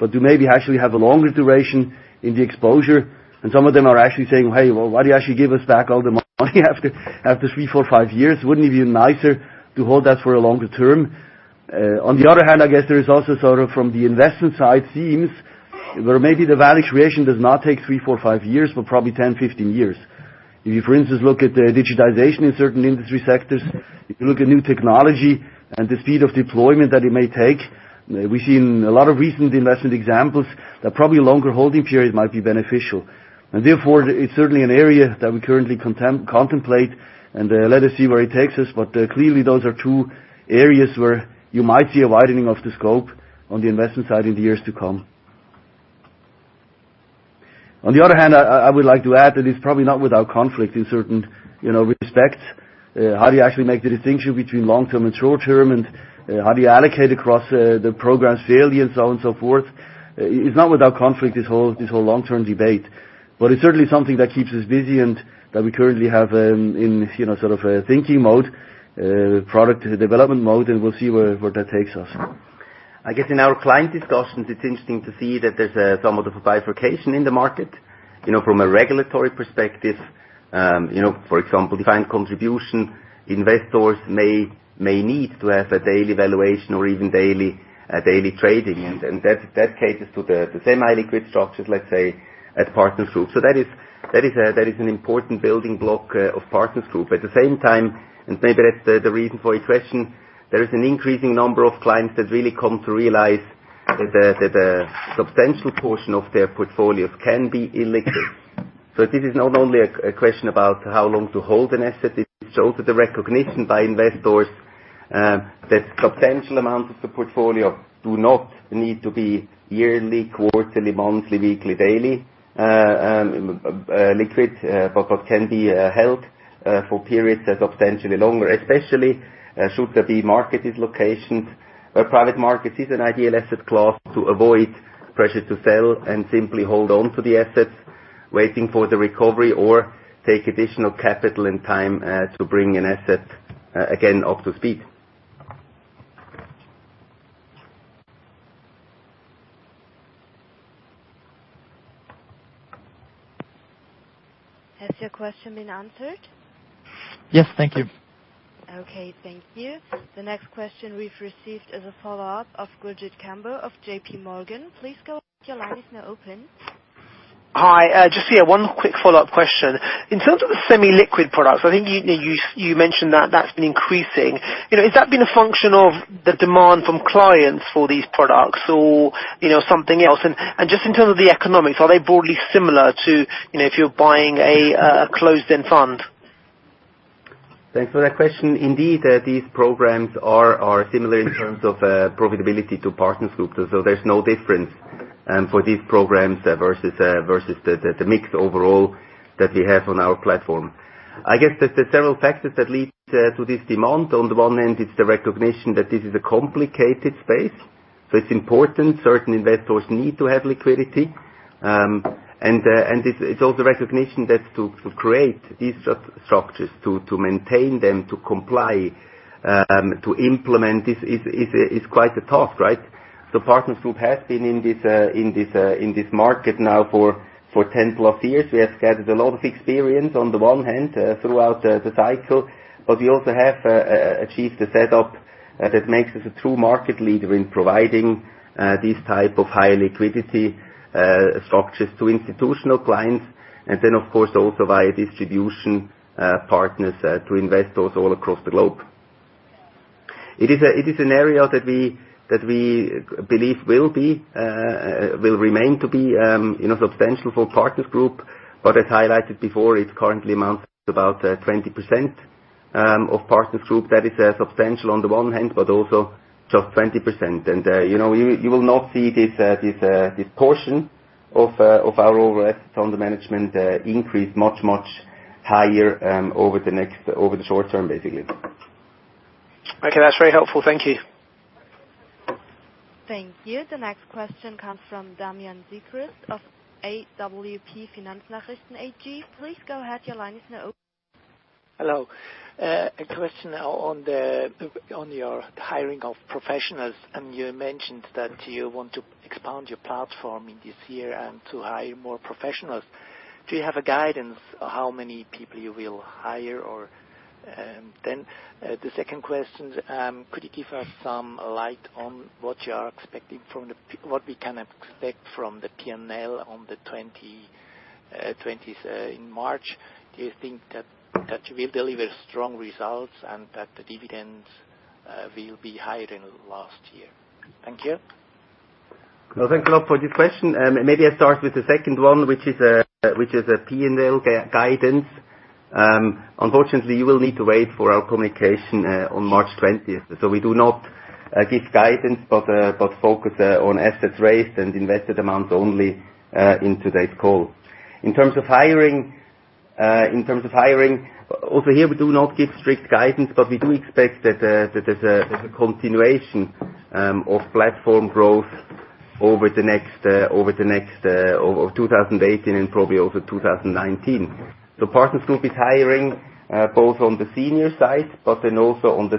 D: but to maybe actually have a longer duration in the exposure. Some of them are actually saying, "Hey, well, why do you actually give us back all the money after three, four, five years? Wouldn't it be nicer to hold that for a longer term?" On the other hand, I guess there is also from the investment side themes, where maybe the value creation does not take three, four, five years, but probably 10, 15 years. If you, for instance, look at the digitization in certain industry sectors, if you look at new technology and the speed of deployment that it may take, we've seen a lot of recent investment examples that probably longer holding periods might be beneficial. Therefore, it's certainly an area that we currently contemplate and let us see where it takes us. Clearly, those are two areas where you might see a widening of the scope on the investment side in the years to come. On the other hand, I would like to add that it's probably not without conflict in certain respects. How do you actually make the distinction between long-term and short-term? How do you allocate across the programs fairly and so on and so forth? It's not without conflict, this whole long-term debate. It's certainly something that keeps us busy and that we currently have in a thinking mode, product development mode, and we'll see where that takes us.
B: I guess in our client discussions, it's interesting to see that there's some of the bifurcation in the market. From a regulatory perspective, for example, defined contribution investors may need to have a daily valuation or even daily trading, and that caters to the semi-liquid structures, let's say, at Partners Group. That is an important building block of Partners Group. At the same time, and maybe that's the reason for your question, there is an increasing number of clients that really come to realize that a substantial portion of their portfolios can be illiquid.
D: This is not only a question about how long to hold an asset, it's also the recognition by investors that substantial amounts of the portfolio do not need to be yearly, quarterly, monthly, weekly, daily liquid, but can be held for periods that are substantially longer, especially should there be market dislocations where private markets is an ideal asset class to avoid pressure to sell and simply hold on to the assets waiting for the recovery or take additional capital and time to bring an asset, again, up to speed.
A: Has your question been answered?
L: Yes. Thank you.
A: Okay. Thank you. The next question we've received is a follow-up of Gurjit Kambo of J.P. Morgan. Please go ahead. Your line is now open.
I: Hi. Just, yeah, one quick follow-up question. In terms of the semi-liquid products, I think you mentioned that that's been increasing. Has that been a function of the demand from clients for these products or something else? Just in terms of the economics, are they broadly similar to if you're buying a closed-end fund?
B: Thanks for that question. Indeed, these programs are similar in terms of profitability to Partners Group. There's no difference for these programs versus the mixed overall that we have on our platform. I guess there's several factors that lead to this demand. On the one hand, it's the recognition that this is a complicated space, so it's important certain investors need to have liquidity. And it's also recognition that to create these structures, to maintain them, to comply, to implement is quite a task, right? Partners Group has been in this market now for 10+ years. We have gathered a lot of experience on the one hand, throughout the cycle, we also have achieved a setup that makes us a true market leader in providing these type of high liquidity structures to institutional clients, and then of course also via distribution partners to investors all across the globe. It is an area that we believe will remain to be substantial for Partners Group. As highlighted before, it currently amounts to about 20% of Partners Group. That is substantial on the one hand, but also just 20%. You will not see this portion of our overall assets under management increase much, much higher over the short term, basically.
I: Okay. That's very helpful. Thank you.
A: Thank you. The next question comes from Damian Siekris of AWP Finanznachrichten AG. Please go ahead. Your line is now open.
M: Hello. A question on your hiring of professionals. You mentioned that you want to expand your platform in this year and to hire more professionals. Do you have a guidance how many people you will hire? The second question, could you give us some light on what we can expect from the P&L on the 20th in March? Do you think that you will deliver strong results and that the dividends will be higher than last year? Thank you.
B: Thank you a lot for this question. Maybe I start with the second one, which is P&L guidance. Unfortunately, you will need to wait for our communication on March 20th. We do not give guidance, but focus on assets raised and invested amounts only in today's call. In terms of hiring, also here we do not give strict guidance. We do expect that there's a continuation of platform growth over 2018 and probably over 2019. Partners Group is hiring both on the senior side, but also on the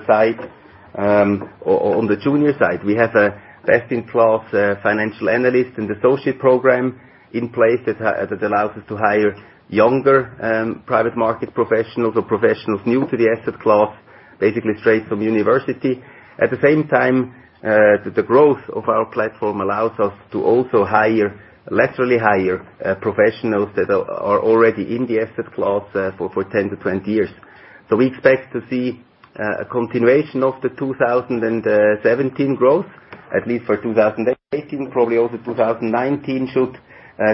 B: junior side. We have a best-in-class financial analyst and associate program in place that allows us to hire younger private market professionals or professionals new to the asset class, basically straight from university. At the same time, the growth of our platform allows us to also laterally hire professionals that are already in the asset class for 10 to 20 years. We expect to see a continuation of the 2017 growth, at least for 2018, probably also 2019 should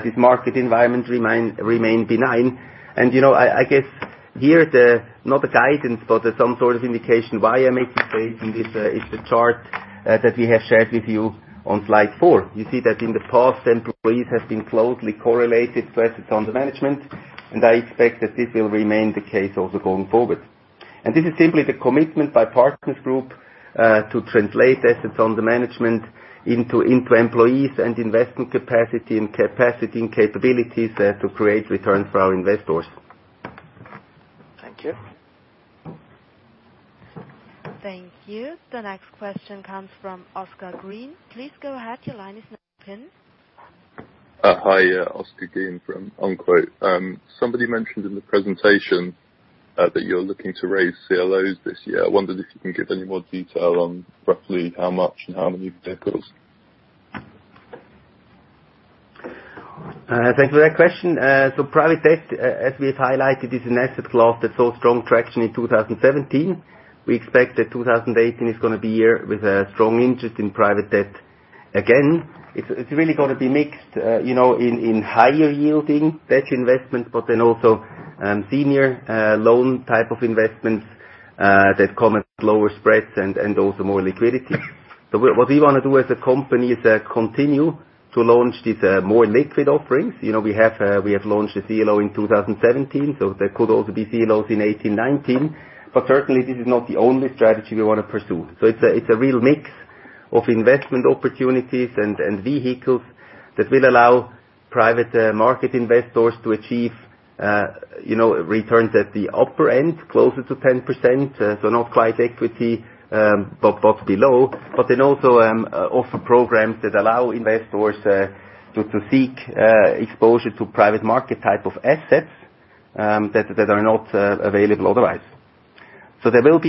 B: this market environment remain benign. I guess here, not a guidance, but some sort of indication why I'm making this statement is the chart that we have shared with you on slide four. You see that in the past, employees have been closely correlated to assets under management, I expect that this will remain the case also going forward. This is simply the commitment by Partners Group to translate assets under management into employees and investment capacity, and capabilities to create returns for our investors.
M: Thank you.
A: Thank you. The next question comes from Oscar Green. Please go ahead. Your line is now open.
N: Hi. Oscar Green from Unquote. Somebody mentioned in the presentation that you're looking to raise CLOs this year. I wondered if you can give any more detail on roughly how much and how many vehicles.
B: Thanks for that question. Private debt, as we have highlighted, is an asset class that saw strong traction in 2017. We expect that 2018 is going to be a year with a strong interest in private debt. Again, it's really going to be mixed in higher yielding debt investments, then also senior loan type of investments that come at lower spreads and also more liquidity. What we want to do as a company is continue to launch these more liquid offerings. We have launched a CLO in 2017, there could also be CLOs in 2018, 2019. Certainly, this is not the only strategy we want to pursue. It's a real mix of investment opportunities and vehicles that will allow private market investors to achieve returns at the upper end, closer to 10%, not quite equity, but below. Then also offer programs that allow investors to seek exposure to private market type of assets that are not available otherwise. There will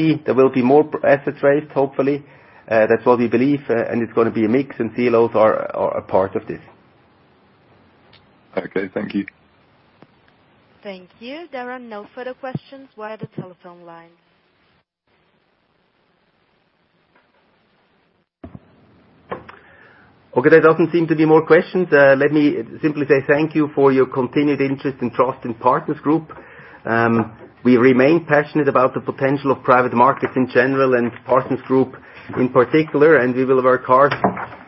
B: be more assets raised, hopefully. That's what we believe, and it's going to be a mix, and CLOs are a part of this.
N: Okay. Thank you.
A: Thank you. There are no further questions via the telephone lines.
B: Okay. There doesn't seem to be more questions. Let me simply say thank you for your continued interest and trust in Partners Group. We remain passionate about the potential of private markets in general and Partners Group in particular, and we will work hard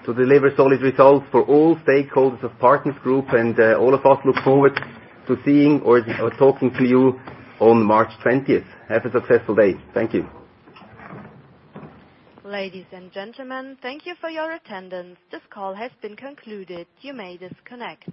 B: to deliver solid results for all stakeholders of Partners Group. All of us look forward to seeing or talking to you on March 20th. Have a successful day. Thank you.
A: Ladies and gentlemen, thank you for your attendance. This call has been concluded. You may disconnect.